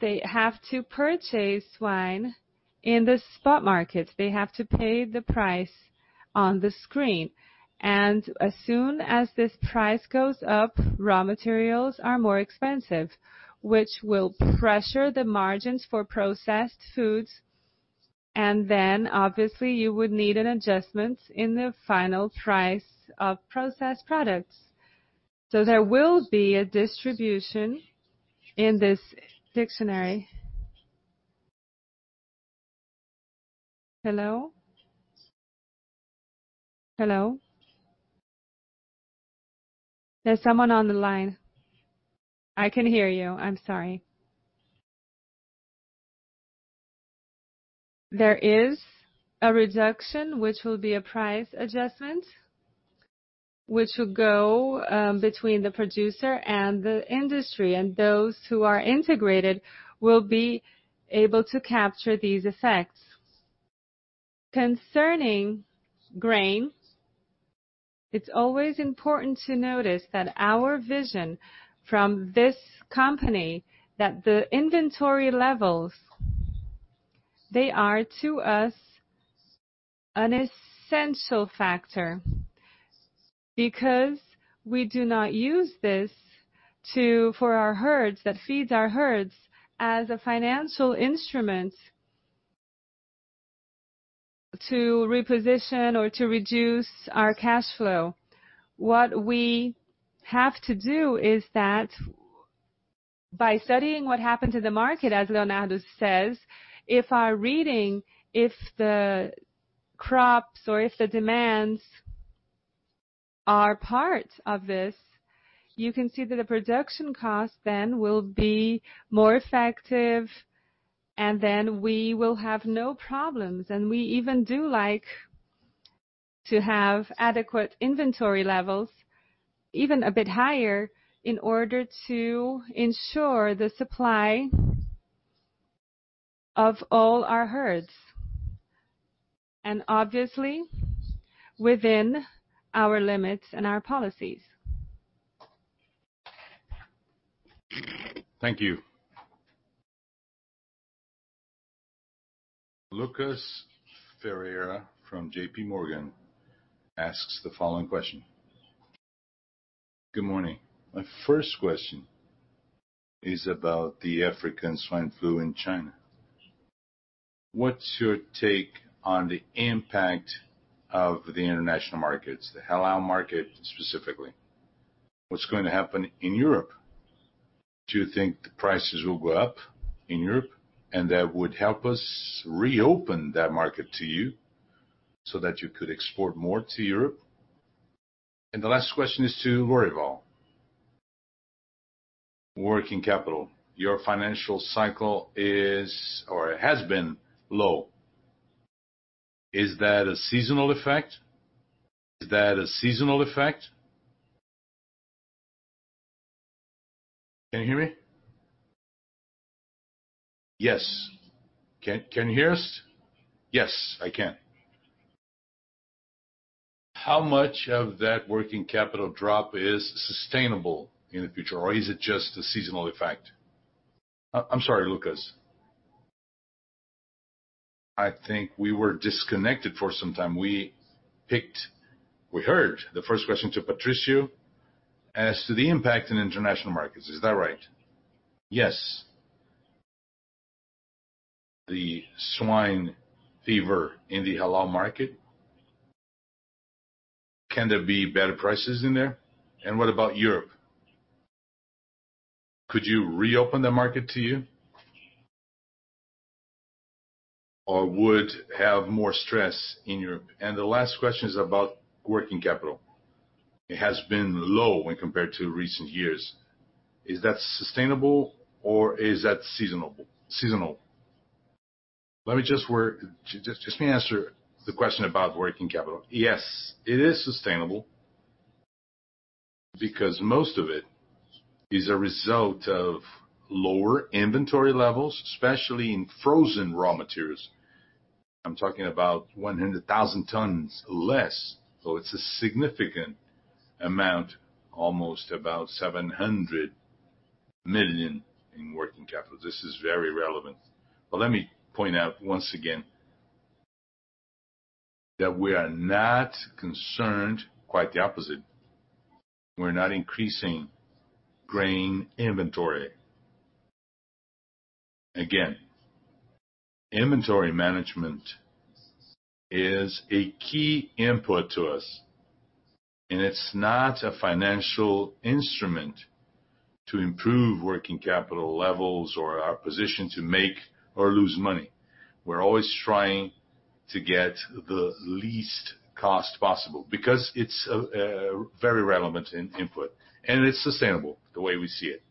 they have to purchase swine in the spot market. They have to pay the price on the screen. As soon as this price goes up, raw materials are more expensive, which will pressure the margins for processed foods. Then obviously you would need an adjustment in the final price of processed products. There will be a distribution in this dictionary. Hello? Hello? There's someone on the line. I can hear you. I'm sorry. There is a reduction, which will be a price adjustment, which will go between the producer and the industry, those who are integrated will be able to capture these effects. Concerning grain, it's always important to notice that our vision from this company, that the inventory levels, they are, to us, an essential factor because we do not use this for our herds, that feeds our herds as a financial instrument to reposition or to reduce our cash flow. What we have to do is that by studying what happened to the market, as Leonardo says, if our reading, if the crops or if the demands are part of this, you can see that the production cost then will be more effective, then we will have no problems. We even do like to have adequate inventory levels, even a bit higher in order to ensure the supply of all our herds, obviously within our limits and our policies. Thank you. Lucas Ferreira from JPMorgan asks the following question. Good morning. My first question is about the African swine fever in China. What is your take on the impact of the international markets, the halal market specifically? What is going to happen in Europe? Do you think the prices will go up in Europe and that would help us reopen that market to you so that you could export more to Europe? The last question is to Lorival. Working capital. Your financial cycle is, or it has been low. Is that a seasonal effect? Can you hear me? Yes. Can you hear us? Yes, I can. How much of that working capital drop is sustainable in the future, or is it just a seasonal effect? I am sorry, Lucas. I think we were disconnected for some time. We heard the first question to Patricio as to the impact in international markets. Is that right? Yes. The swine fever in the halal market. Can there be better prices in there? What about Europe? Could you reopen the market to you? Would have more stress in Europe. The last question is about working capital. It has been low when compared to recent years. Is that sustainable or is that seasonal? May I answer the question about working capital. Yes, it is sustainable because most of it is a result of lower inventory levels, especially in frozen raw materials. I am talking about 100,000 tons less, so it is a significant amount, almost about 700 million in working capital. This is very relevant. Let me point out once again that we are not concerned, quite the opposite. We are not increasing grain inventory. Again, inventory management is a key input to us, and it is not a financial instrument to improve working capital levels or our position to make or lose money. We are always trying to get the least cost possible because it is a very relevant input, and it is sustainable the way we see it.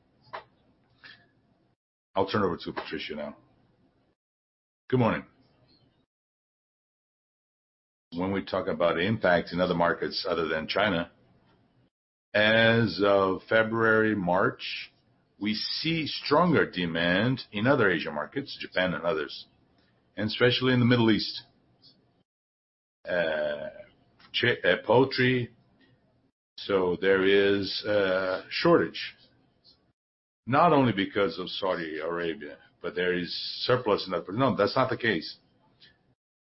I will turn over to Patricio now. Good morning. When we talk about impact in other markets other than China, as of February, March, we see stronger demand in other Asian markets, Japan and others, especially in the Middle East. Poultry, there is a shortage, not only because of Saudi Arabia, but there is surplus in that. No, that is not the case.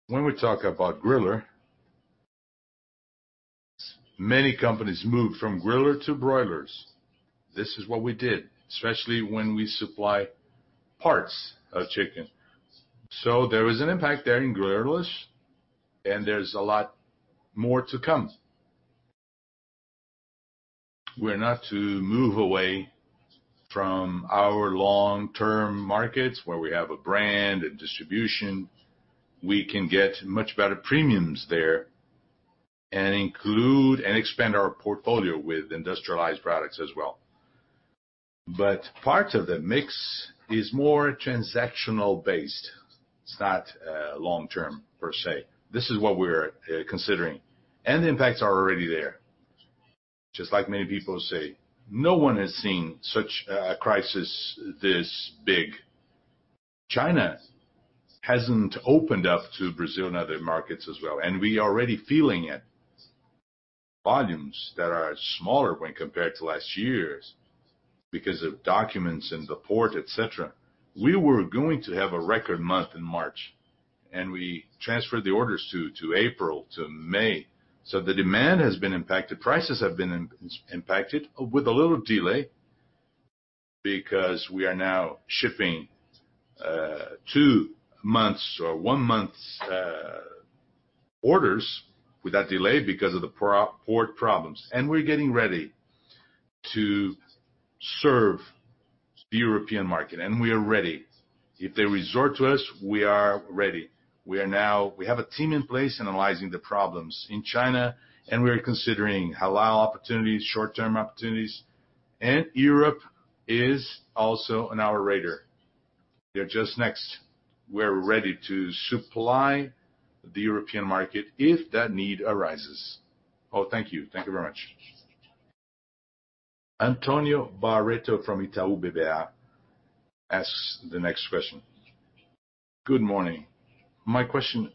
When we talk about griller, many companies moved from griller to broilers. This is what we did, especially when we supply parts of chicken. There was an impact there in grillers, and there is a lot more to come. We are not to move away from our long-term markets where we have a brand and distribution. We can get much better premiums there and include and expand our portfolio with industrialized products as well. Part of the mix is more transactional-based. It is not long-term, per se. This is what we are considering, and the impacts are already there. Just like many people say, "No one has seen such a crisis this big." China has not opened up to Brazil and other markets as well, we are already feeling it. Volumes that are smaller when compared to last year's because of documents and the port, et cetera. We were going to have a record month in March, we transferred the orders to April, to May. The demand has been impacted. Prices have been impacted with a little delay because we are now shipping two months or one month's orders with that delay because of the port problems. We're getting ready to serve the European market, and we are ready. If they resort to us, we are ready. We have a team in place analyzing the problems in China, and we are considering halal opportunities, short-term opportunities. Europe is also on our radar. They're just next. We're ready to supply the European market if that need arises. Oh, thank you. Thank you very much. Antonio Barreto from Itaú BBA asks the next question. Good morning. My question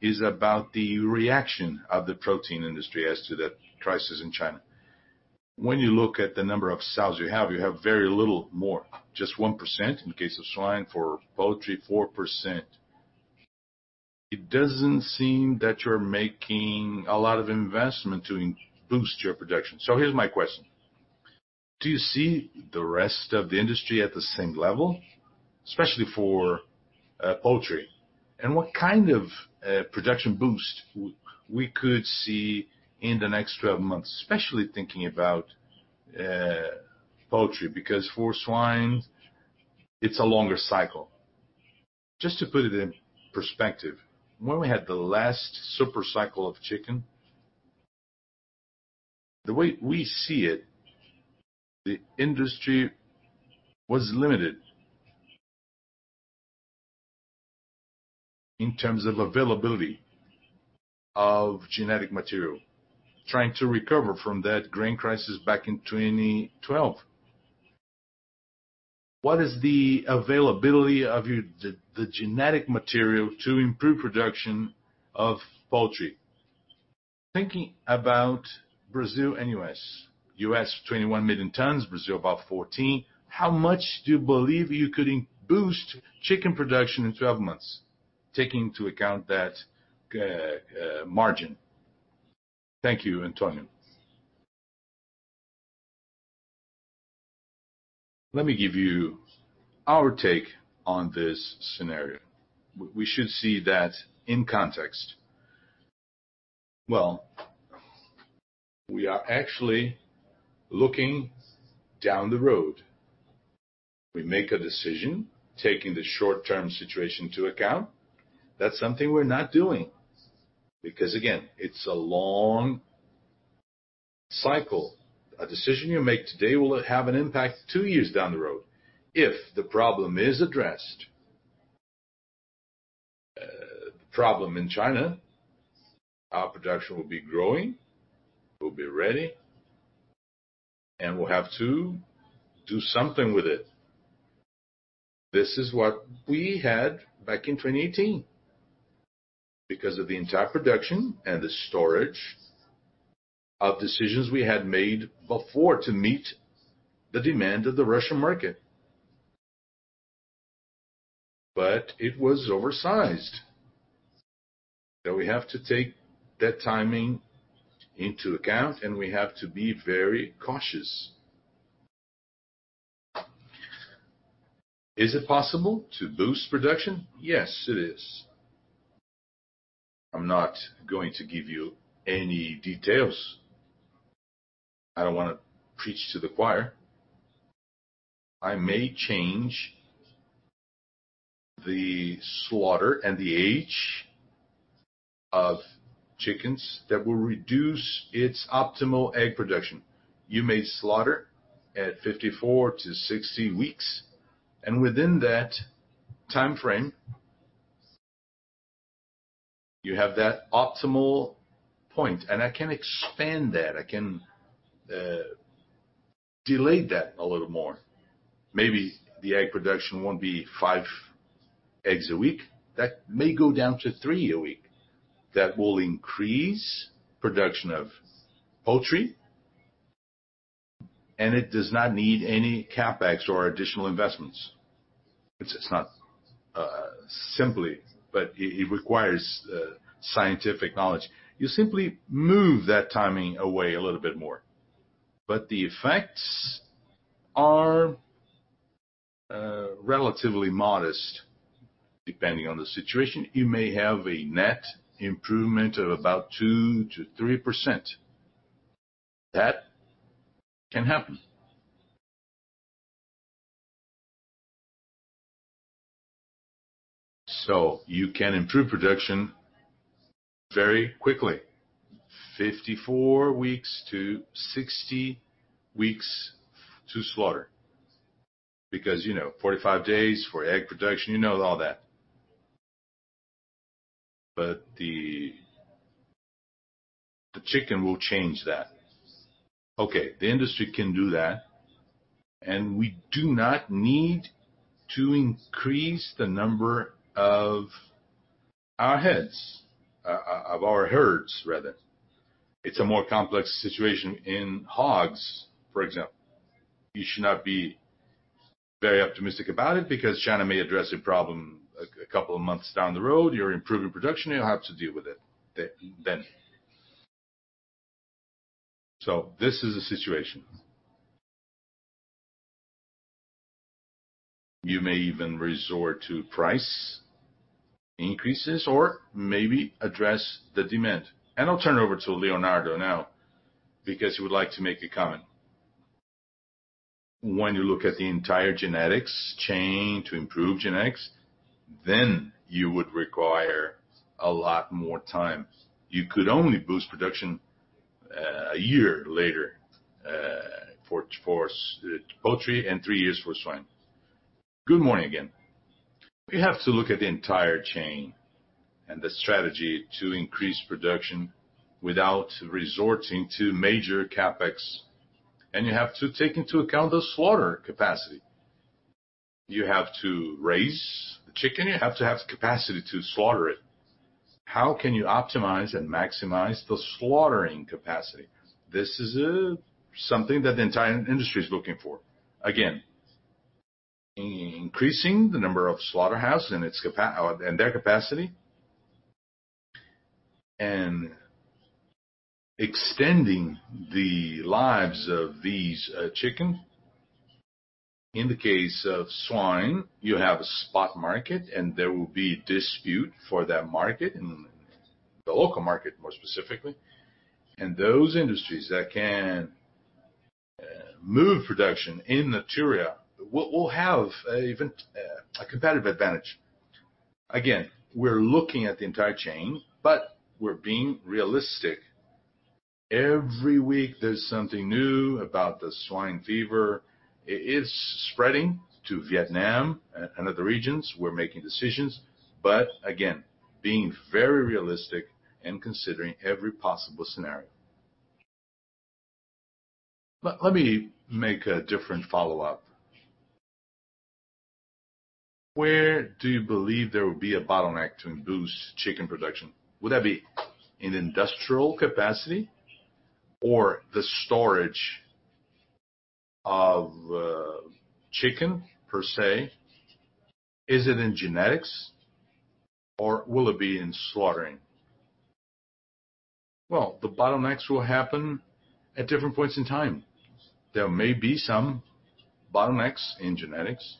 is about the reaction of the protein industry as to the crisis in China. When you look at the number of sows you have, you have very little more, just 1% in the case of swine, for poultry, 4%. It doesn't seem that you're making a lot of investment to boost your production. Here's my question. Do you see the rest of the industry at the same level, especially for poultry? What kind of production boost we could see in the next 12 months? Especially thinking about poultry, because for swine, it's a longer cycle. Just to put it in perspective, when we had the last super cycle of chicken, the way we see it, the industry was limited in terms of availability of genetic material, trying to recover from that grain crisis back in 2012. What is the availability of the genetic material to improve production of poultry? Thinking about Brazil and U.S. U.S., 21 million tons, Brazil, about 14 million tons. How much do you believe you could boost chicken production in 12 months, taking into account that margin? Thank you, Antonio. Let me give you our take on this scenario. We should see that in context. Well, we are actually looking down the road. We make a decision, taking the short-term situation into account. That's something we're not doing because, again, it's a long cycle. A decision you make today will have an impact two years down the road if the problem is addressed. The problem in China, our production will be growing, we'll be ready, and we'll have to do something with it. This is what we had back in 2018 because of the entire production and the storage of decisions we had made before to meet the demand of the Russian market. It was oversized. We have to take that timing into account, and we have to be very cautious. Is it possible to boost production? Yes, it is. I'm not going to give you any details. I don't want to preach to the choir. I may change the slaughter and the age of chickens that will reduce its optimal egg production. You may slaughter at 54 to 60 weeks, and within that timeframe, you have that optimal point, and I can expand that. I can delay that a little more. Maybe the egg production won't be five eggs a week. That may go down to three a week. That will increase production of poultry, and it does not need any CapEx or additional investments. It's not simply, but it requires scientific knowledge. You simply move that timing away a little bit more. The effects are relatively modest depending on the situation. You may have a net improvement of about 2%-3%. That can happen. You can improve production very quickly, 54 weeks to 60 weeks to slaughter. Because 45 days for egg production, you know all that. The chicken will change that. The industry can do that, we do not need to increase the number of our heads, of our herds rather. It's a more complex situation in hogs, for example. You should not be very optimistic about it because China may address a problem a couple of months down the road. You're improving production, you'll have to deal with it then. This is the situation. You may even resort to price increases or maybe address the demand. I'll turn over to Leonardo now because he would like to make a comment. When you look at the entire genetics chain to improve genetics, you would require a lot more time. You could only boost production a year later for poultry and three years for swine. Good morning again. We have to look at the entire chain and the strategy to increase production without resorting to major CapEx. You have to take into account the slaughter capacity. You have to raise the chicken, you have to have capacity to slaughter it. How can you optimize and maximize the slaughtering capacity? This is something that the entire industry is looking for. Again, increasing the number of slaughterhouses and their capacity, and extending the lives of these chickens. In the case of swine, you have a spot market, there will be a dispute for that market, the local market, more specifically. Those industries that can move production in natura will have a competitive advantage. Again, we're looking at the entire chain, we're being realistic. Every week there's something new about the swine fever. It is spreading to Vietnam and other regions. We're making decisions. Again, being very realistic and considering every possible scenario. Let me make a different follow-up. Where do you believe there will be a bottleneck to boost chicken production? Would that be in industrial capacity or the storage of chicken, per se? Is it in genetics or will it be in slaughtering? The bottlenecks will happen at different points in time. There may be some bottlenecks in genetics.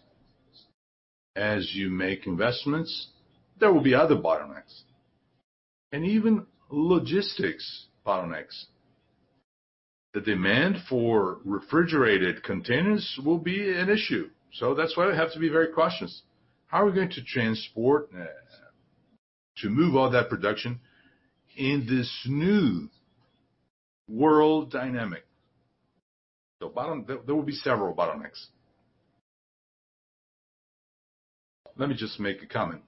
As you make investments, there will be other bottlenecks and even logistics bottlenecks. The demand for refrigerated containers will be an issue. That's why we have to be very cautious. How are we going to transport, to move all that production in this new world dynamic? There will be several bottlenecks. Let me just make a comment.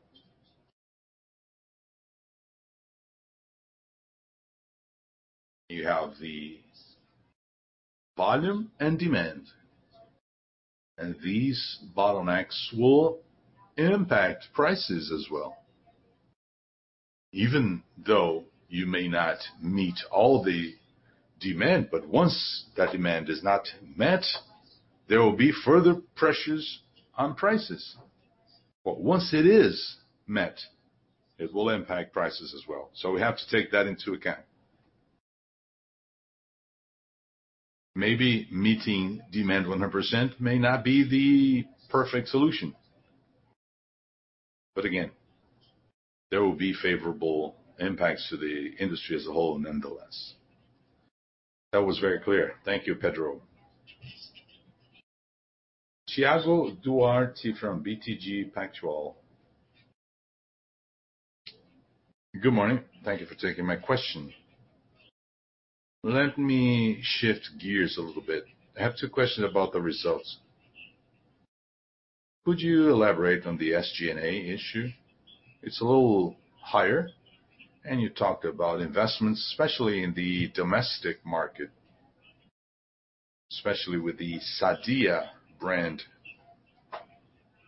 You have the volume and demand, these bottlenecks will impact prices as well. Even though you may not meet all the demand, once that demand is not met, there will be further pressures on prices. Once it is met, it will impact prices as well. We have to take that into account. Maybe meeting demand 100% may not be the perfect solution. Again, there will be favorable impacts to the industry as a whole, nonetheless. That was very clear. Thank you, Pedro. Thiago Duarte from BTG Pactual. Good morning. Thank you for taking my question. Let me shift gears a little bit. I have two questions about the results. Could you elaborate on the SG&A issue? It's a little higher, you talked about investments, especially in the domestic market, especially with the Sadia brand,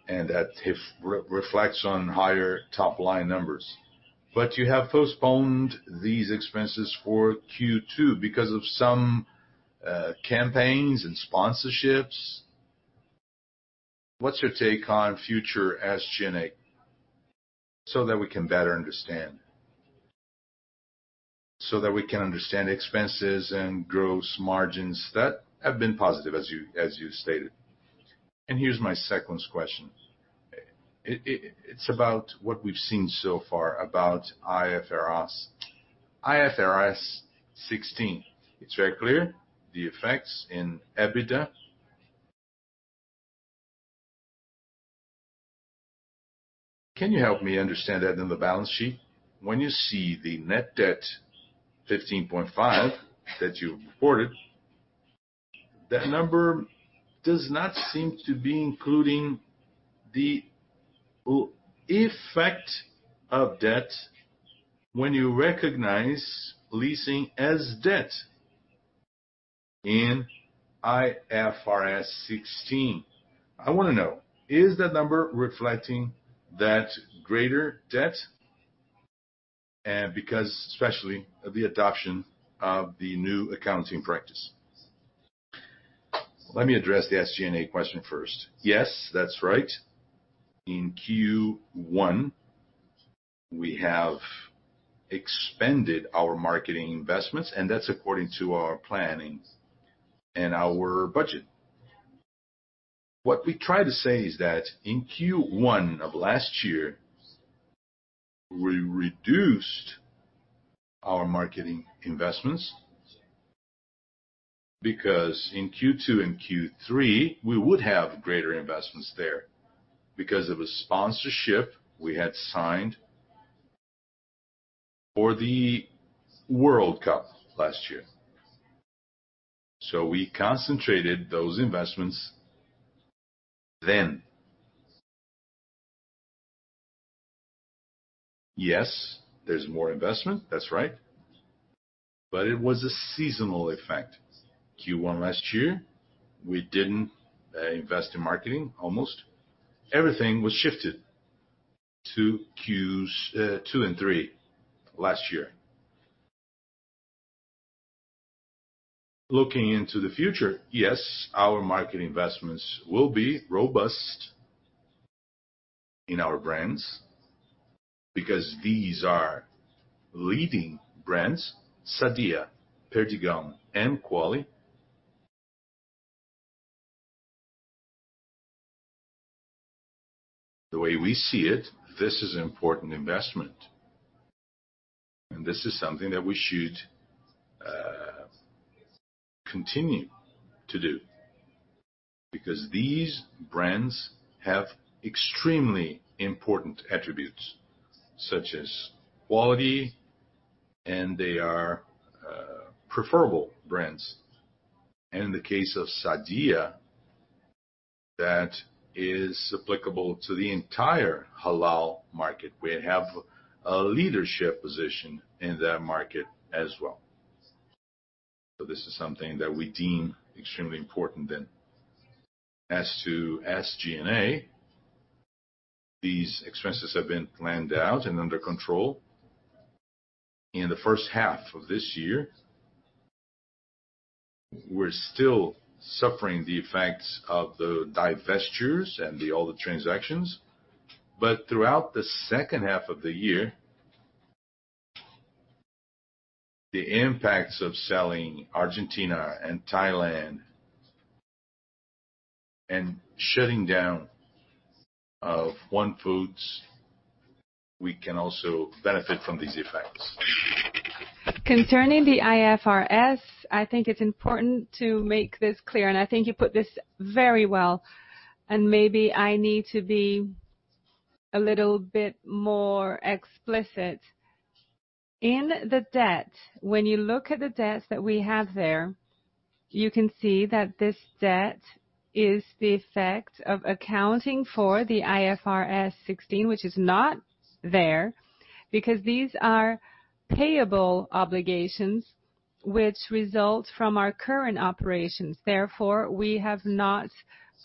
that reflects on higher top-line numbers. You have postponed these expenses for Q2 because of some campaigns and sponsorships. What's your take on future SG&A, so that we can better understand? So that we can understand expenses and gross margins that have been positive as you stated. Here's my second question. It's about what we've seen so far about IFRS 16. It's very clear, the effects in EBITDA. Can you help me understand that in the balance sheet? When you see the net debt 15.5 billion that you reported, that number does not seem to be including the effect of debt when you recognize leasing as debt in IFRS 16. I want to know, is that number reflecting that greater debt because especially of the adoption of the new accounting practice? Let me address the SG&A question first. Yes, that's right. In Q1, we have expended our marketing investments, and that's according to our planning and our budget. What we try to say is that in Q1 of last year, we reduced our marketing investments because in Q2 and Q3, we would have greater investments there because of a sponsorship we had signed for the World Cup last year. We concentrated those investments then. Yes, there's more investment, that's right. It was a seasonal effect. Q1 last year, we didn't invest in marketing, almost. Everything was shifted to Q2 and Q3 last year. Looking into the future, yes, our market investments will be robust in our brands because these are leading brands, Sadia, Perdigão, and Qualy. The way we see it, this is an important investment. This is something that we should continue to do because these brands have extremely important attributes, such as quality, and they are preferable brands. In the case of Sadia, that is applicable to the entire halal market. We have a leadership position in that market as well. This is something that we deem extremely important then. As to SG&A, these expenses have been planned out and under control. In the first half of this year, we're still suffering the effects of the divestitures and all the transactions. Throughout the second half of the year, the impacts of selling Argentina and Thailand and shutting down of OneFoods, we can also benefit from these effects. Concerning the IFRS, I think it's important to make this clear, and I think you put this very well, and maybe I need to be a little bit more explicit. In the debt, when you look at the debt that we have there, you can see that this debt is the effect of accounting for the IFRS 16, which is not there, because these are payable obligations which result from our current operations. Therefore, we have not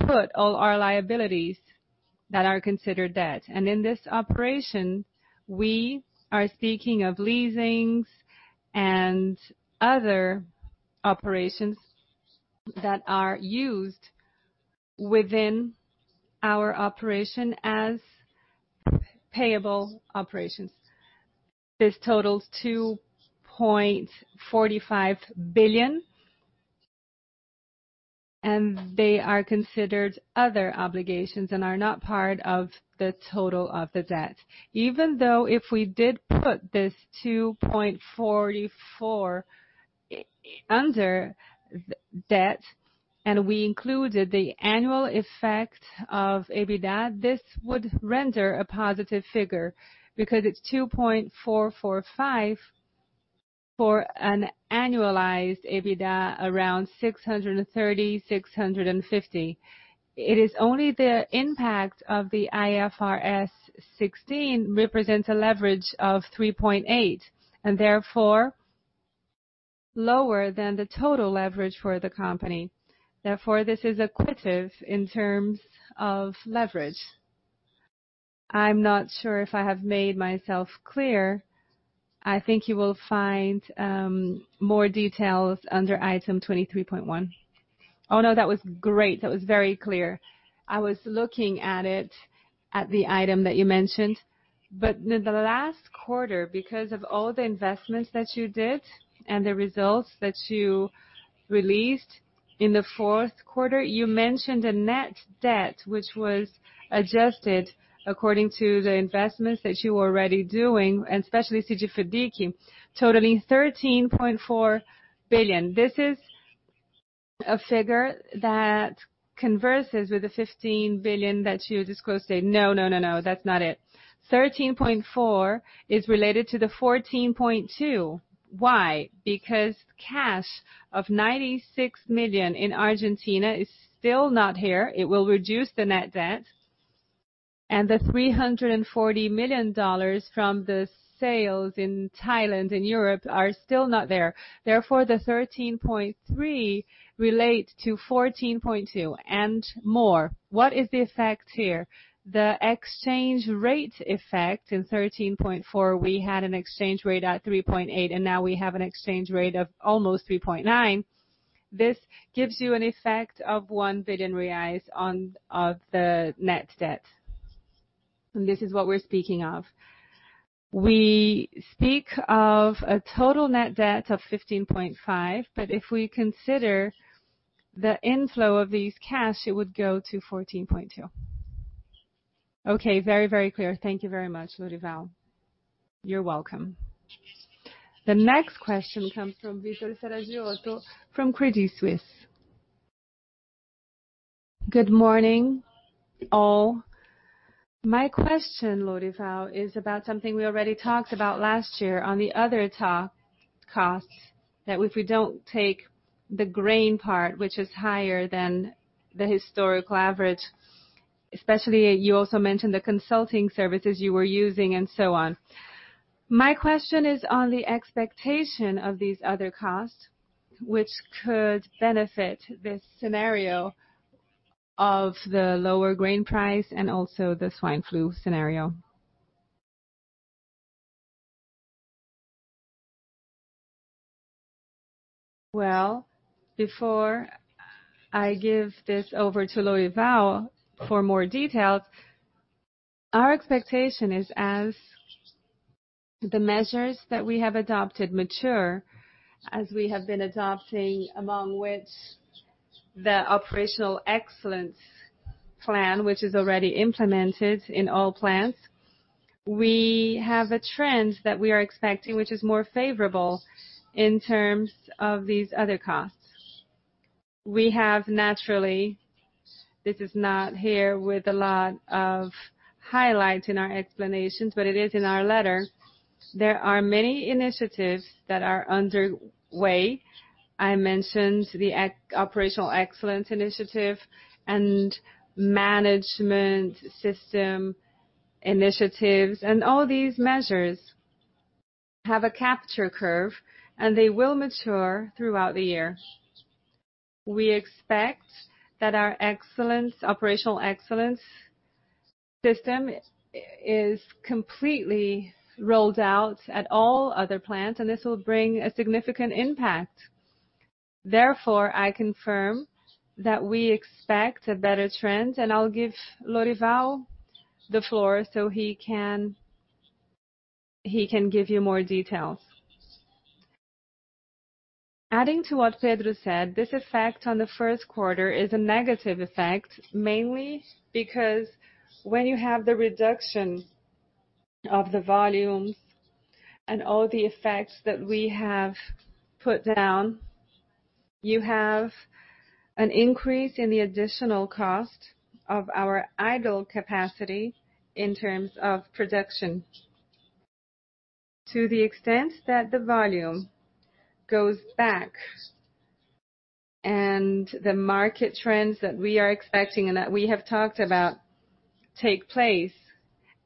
put all our liabilities that are considered debt. In this operation, we are speaking of leasings and other operations that are used within our operation as payable operations. This totals 2.45 billion, they are considered other obligations and are not part of the total of the debt. Even though if we did put this 2.44 under debt, and we included the annual effect of EBITDA, this would render a positive figure because it's 2.445 for an annualized EBITDA around 630, 650. It is only the impact of the IFRS 16 represents a leverage of 3.8, and therefore lower than the total leverage for the company. Therefore, this is accretive in terms of leverage. I'm not sure if I have made myself clear. I think you will find more details under item 23.1. Oh, no, that was great. That was very clear. I was looking at it at the item that you mentioned. In the last quarter, because of all the investments that you did and the results that you released in the fourth quarter, you mentioned a net debt, which was adjusted according to the investments that you were already doing, and especially [CG Fediche], totaling 13.4 billion. This is a figure that converses with the 15 billion that you disclosed today. No, that's not it. 13.4 is related to the 14.2. Why? Because cash of 96 million in Argentina is still not here. It will reduce the net debt. And the BRL 340 million from the sales in Thailand and Europe are still not there. Therefore, the 13.3 relate to 14.2 and more. What is the effect here? The exchange rate effect. In 13.4, we had an exchange rate at 3.8, and now we have an exchange rate of almost 3.9. This gives you an effect of 1 billion reais of the net debt. This is what we're speaking of. We speak of a total net debt of 15.5, but if we consider the inflow of this cash, it would go to 14.2. Okay. Very clear. Thank you very much, Lorival. You're welcome. The next question comes from Vitor Saragiotto from Credit Suisse. Good morning, all. My question, Lourival, is about something we already talked about last year on the other top costs, that if we don't take the grain part, which is higher than the historical average, especially you also mentioned the consulting services you were using and so on. My question is on the expectation of these other costs, which could benefit this scenario of the lower grain price and also the African swine fever scenario. Well, before I give this over to Lourival for more details, our expectation is as the measures that we have adopted mature, as we have been adopting, among which the Operational Excellence Plan, which is already implemented in all plans. We have a trend that we are expecting, which is more favorable in terms of these other costs. We have naturally, this is not here with a lot of highlight in our explanations, but it is in our letter. There are many initiatives that are underway. I mentioned the Operational Excellence initiative and management system initiatives, and all these measures have a capture curve, and they will mature throughout the year. We expect that our Operational Excellence System is completely rolled out at all other plants, and this will bring a significant impact. I confirm that we expect a better trend, and I'll give Lorival the floor so he can give you more details. Adding to what Pedro said, this effect on the first quarter is a negative effect, mainly because when you have the reduction of the volumes and all the effects that we have put down, you have an increase in the additional cost of our idle capacity in terms of production. To the extent that the volume goes back and the market trends that we are expecting and that we have talked about take place,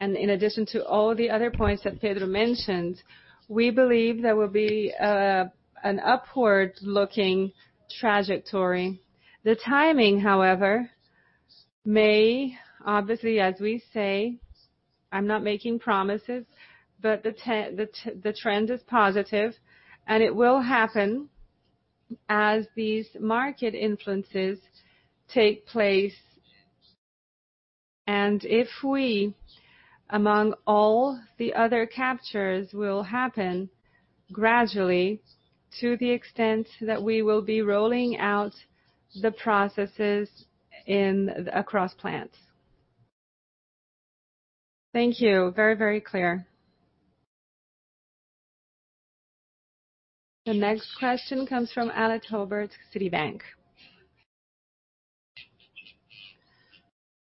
and in addition to all the other points that Pedro mentioned, we believe there will be an upward-looking trajectory. The timing, however, may, obviously, as we say, I'm not making promises, but the trend is positive, and it will happen as these market influences take place. If we, among all the other captures, will happen gradually to the extent that we will be rolling out the processes across plants. Thank you. Very, very clear. The next question comes from Alex Robarts, Citi.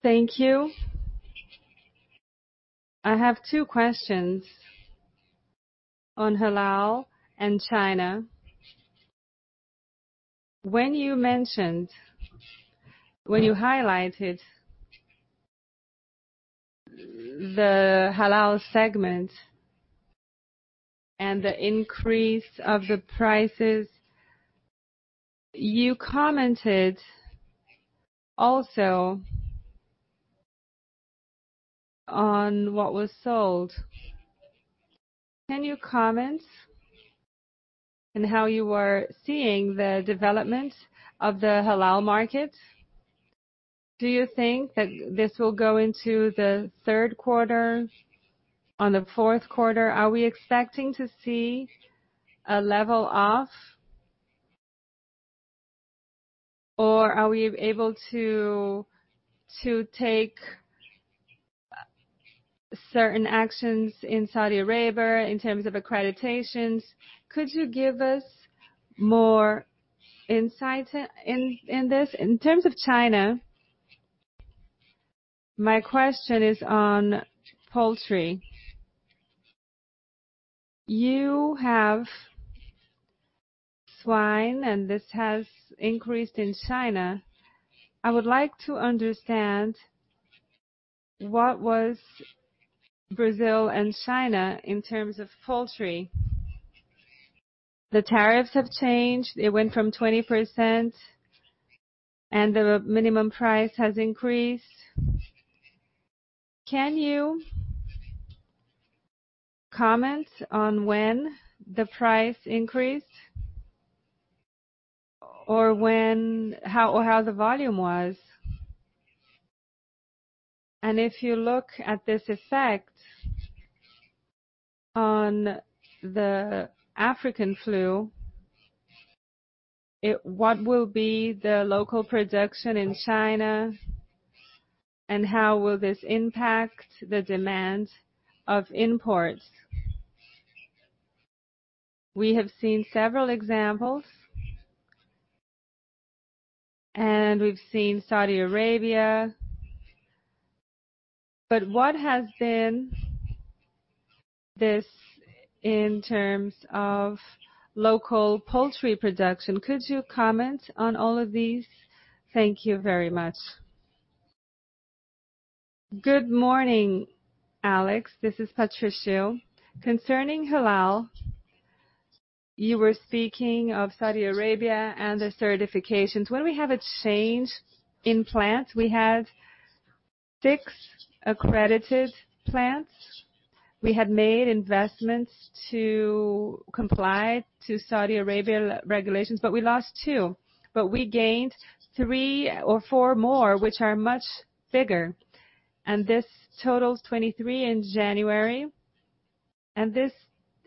Thank you. I have two questions on halal and China. When you highlighted the halal segment and the increase of the prices, you commented also on what was sold. Can you comment on how you are seeing the development of the halal market? Do you think that this will go into the third quarter, on the fourth quarter? Are we expecting to see a level off or are we able to take certain actions in Saudi Arabia in terms of accreditations? Could you give us more insight in this? In terms of China, my question is on poultry. You have swine, and this has increased in China. I would like to understand what was Brazil and China in terms of poultry. The tariffs have changed. It went from 20%, and the minimum price has increased. Can you comment on when the price increased or how the volume was? If you look at this effect on the African swine fever, what will be the local production in China, and how will this impact the demand of imports? We have seen several examples, and we've seen Saudi Arabia, but what has been this in terms of local poultry production? Could you comment on all of these? Thank you very much. Good morning, Alex. This is Patricio. Concerning halal, you were speaking of Saudi Arabia and the certifications. When we have a change in plants, we have six accredited plants. We had made investments to comply to Saudi Arabia regulations, but we lost two. We gained three or four more, which are much bigger. This totals 23 in January, and this,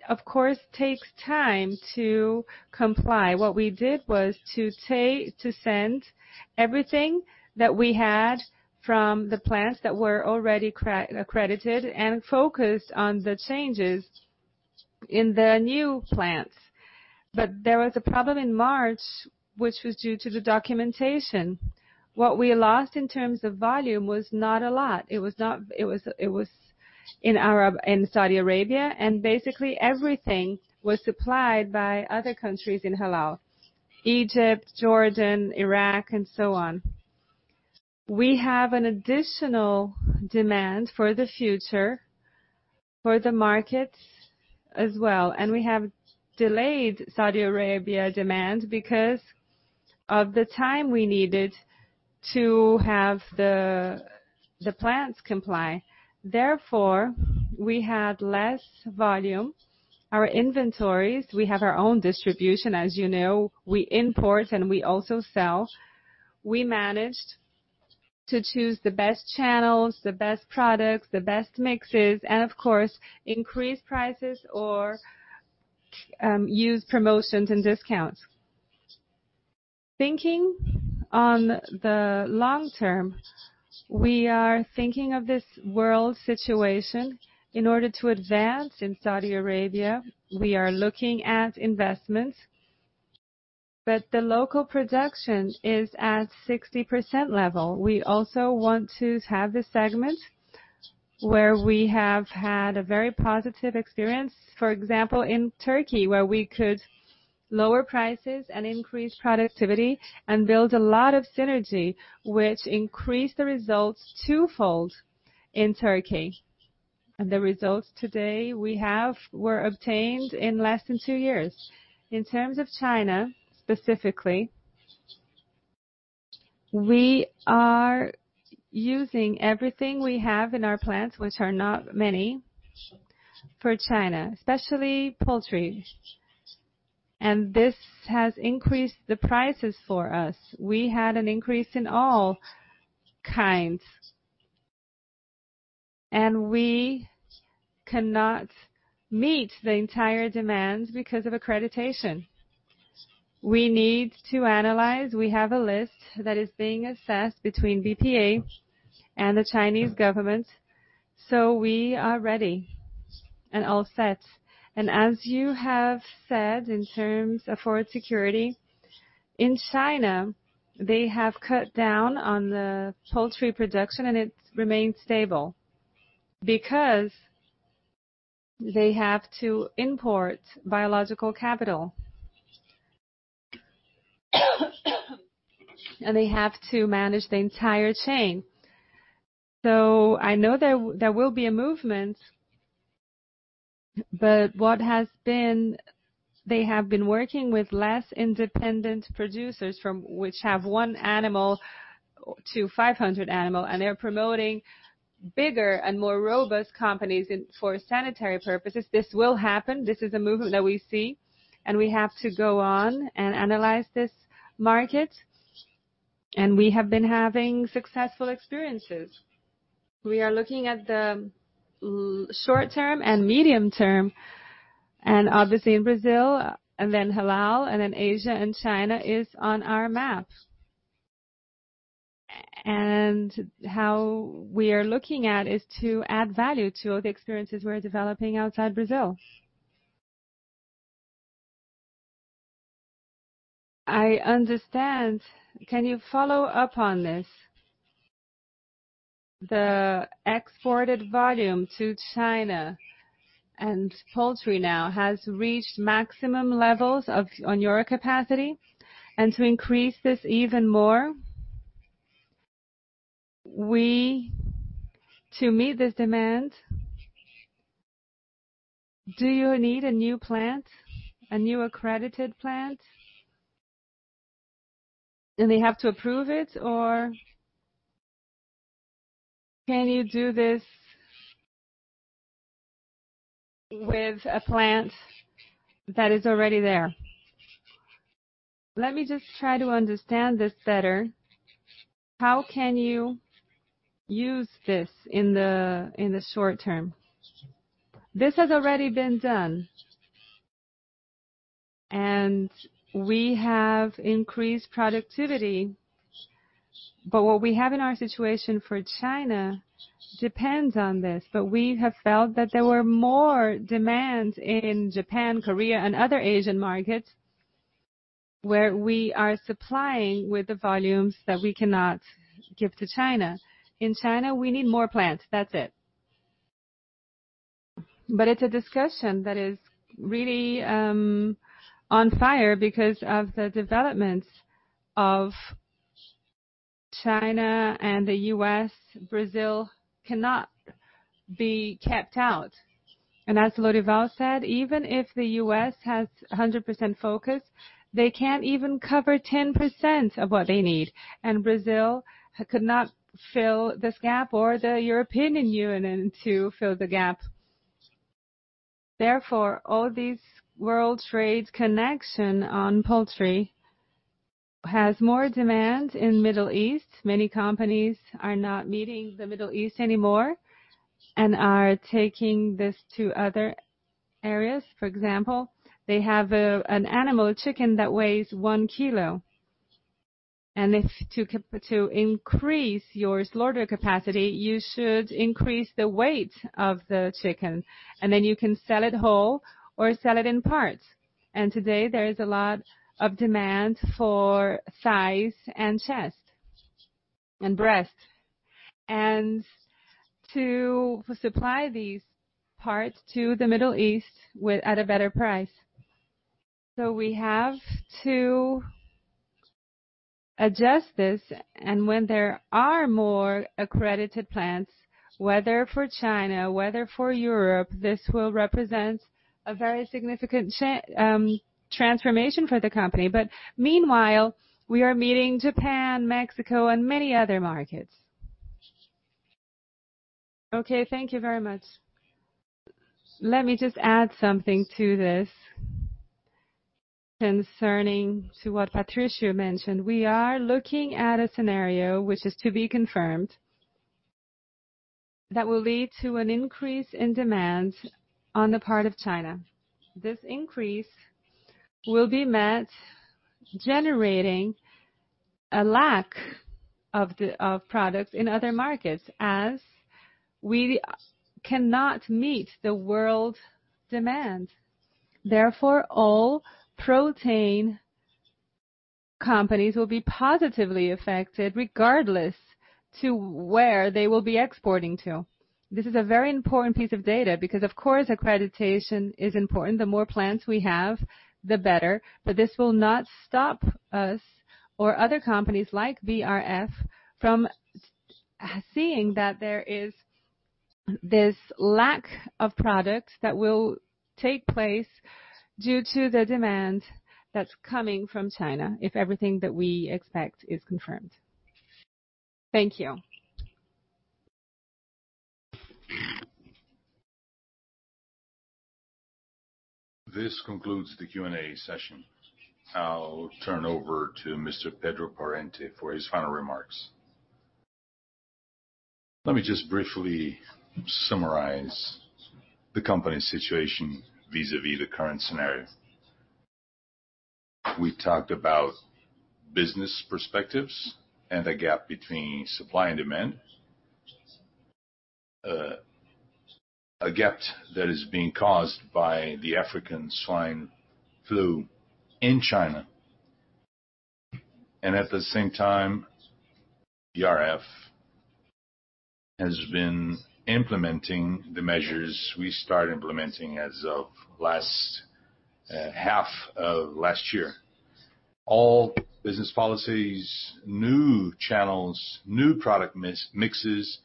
of course, takes time to comply. What we did was to send everything that we had from the plants that were already accredited and focused on the changes in the new plants. There was a problem in March, which was due to the documentation. What we lost in terms of volume was not a lot. It was in Saudi Arabia, and basically everything was supplied by other countries in halal: Egypt, Jordan, Iraq, and so on. We have an additional demand for the future for the markets as well. We have delayed Saudi Arabia demand because of the time we needed to have the plants comply. We had less volume. Our inventories, we have our own distribution, as you know. We import and we also sell. We managed to choose the best channels, the best products, the best mixes, of course, increase prices or use promotions and discounts. Thinking on the long term, we are thinking of this world situation in order to advance in Saudi Arabia. We are looking at investments, but the local production is at 60%. We also want to have the segment where we have had a very positive experience. For example, in Turkey, where we could lower prices and increase productivity and build a lot of synergy, which increased the results twofold in Turkey. The results today we have were obtained in less than two years. In terms of China, specifically, we are using everything we have in our plants, which are not many, for China, especially poultry. This has increased the prices for us. We had an increase in all kinds. We cannot meet the entire demand because of accreditation. We need to analyze. We have a list that is being assessed between BPA and the Chinese government. We are ready and all set. As you have said, in terms of food security, in China, they have cut down on the poultry production, and it remains stable because they have to import biological capital. They have to manage the entire chain. I know there will be a movement, but they have been working with less independent producers from which have one animal to 500 animal, and they're promoting bigger and more robust companies for sanitary purposes. This will happen. This is a movement that we see, and we have to go on and analyze this market. We have been having successful experiences. We are looking at the short term and medium term, obviously in Brazil and then halal, then Asia and China is on our map. How we are looking at is to add value to all the experiences we're developing outside Brazil. I understand. Can you follow up on this? The exported volume to China and poultry now has reached maximum levels on your capacity. To increase this even more, to meet this demand, do you need a new plant, a new accredited plant? They have to approve it, or can you do this with a plant that is already there? Let me just try to understand this better. How can you use this in the short term? This has already been done, and we have increased productivity. What we have in our situation for China depends on this. We have felt that there were more demands in Japan, Korea, and other Asian markets, where we are supplying with the volumes that we cannot give to China. In China, we need more plants. That's it. It's a discussion that is really on fire because of the developments of China and the U.S. Brazil cannot be kept out. As Lourival said, even if the U.S. has 100% focus, they can't even cover 10% of what they need. Brazil could not fill this gap or the European Union to fill the gap. Therefore, all these world trade connection on poultry has more demand in Middle East. Many companies are not meeting the Middle East anymore and are taking this to other areas. For example, they have an animal, a chicken that weighs one kilo. If to increase your slaughter capacity, you should increase the weight of the chicken, then you can sell it whole or sell it in parts. Today, there is a lot of demand for thighs and breast. To supply these parts to the Middle East at a better price. We have to adjust this, and when there are more accredited plants, whether for China, whether for Europe, this will represent a very significant transformation for the company. Meanwhile, we are meeting Japan, Mexico, and many other markets. Okay, thank you very much. Let me just add something to this concerning to what Patricio mentioned. We are looking at a scenario, which is to be confirmed, that will lead to an increase in demand on the part of China. This increase will be met, generating a lack of products in other markets as we cannot meet the world demand. Therefore, all protein companies will be positively affected regardless to where they will be exporting to. This is a very important piece of data because, of course, accreditation is important. The more plants we have, the better. This will not stop us or other companies like BRF from seeing that there is this lack of product that will take place due to the demand that is coming from China, if everything that we expect is confirmed. Thank you. This concludes the Q&A session. I'll turn over to Mr. Pedro Parente for his final remarks. Let me just briefly summarize the company's situation vis-a-vis the current scenario. We talked about business perspectives and the gap between supply and demand. A gap that is being caused by the African swine fever in China. At the same time, BRF has been implementing the measures we start implementing as of last half of last year. All business policies, new channels, new product mixes,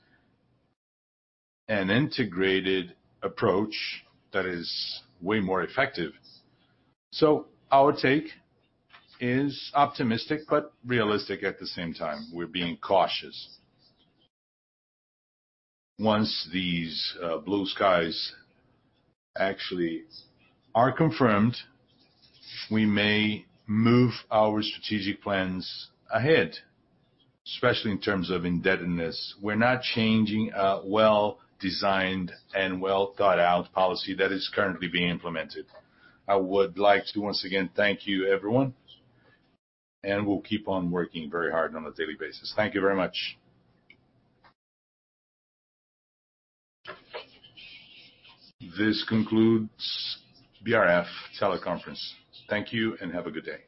an integrated approach that is way more effective. Our take is optimistic but realistic at the same time. We're being cautious. Once these blue skies actually are confirmed, we may move our strategic plans ahead, especially in terms of indebtedness. We're not changing a well-designed and well-thought-out policy that is currently being implemented. I would like to once again thank you, everyone, we'll keep on working very hard on a daily basis. Thank you very much. This concludes BRF teleconference. Thank you. Have a good day.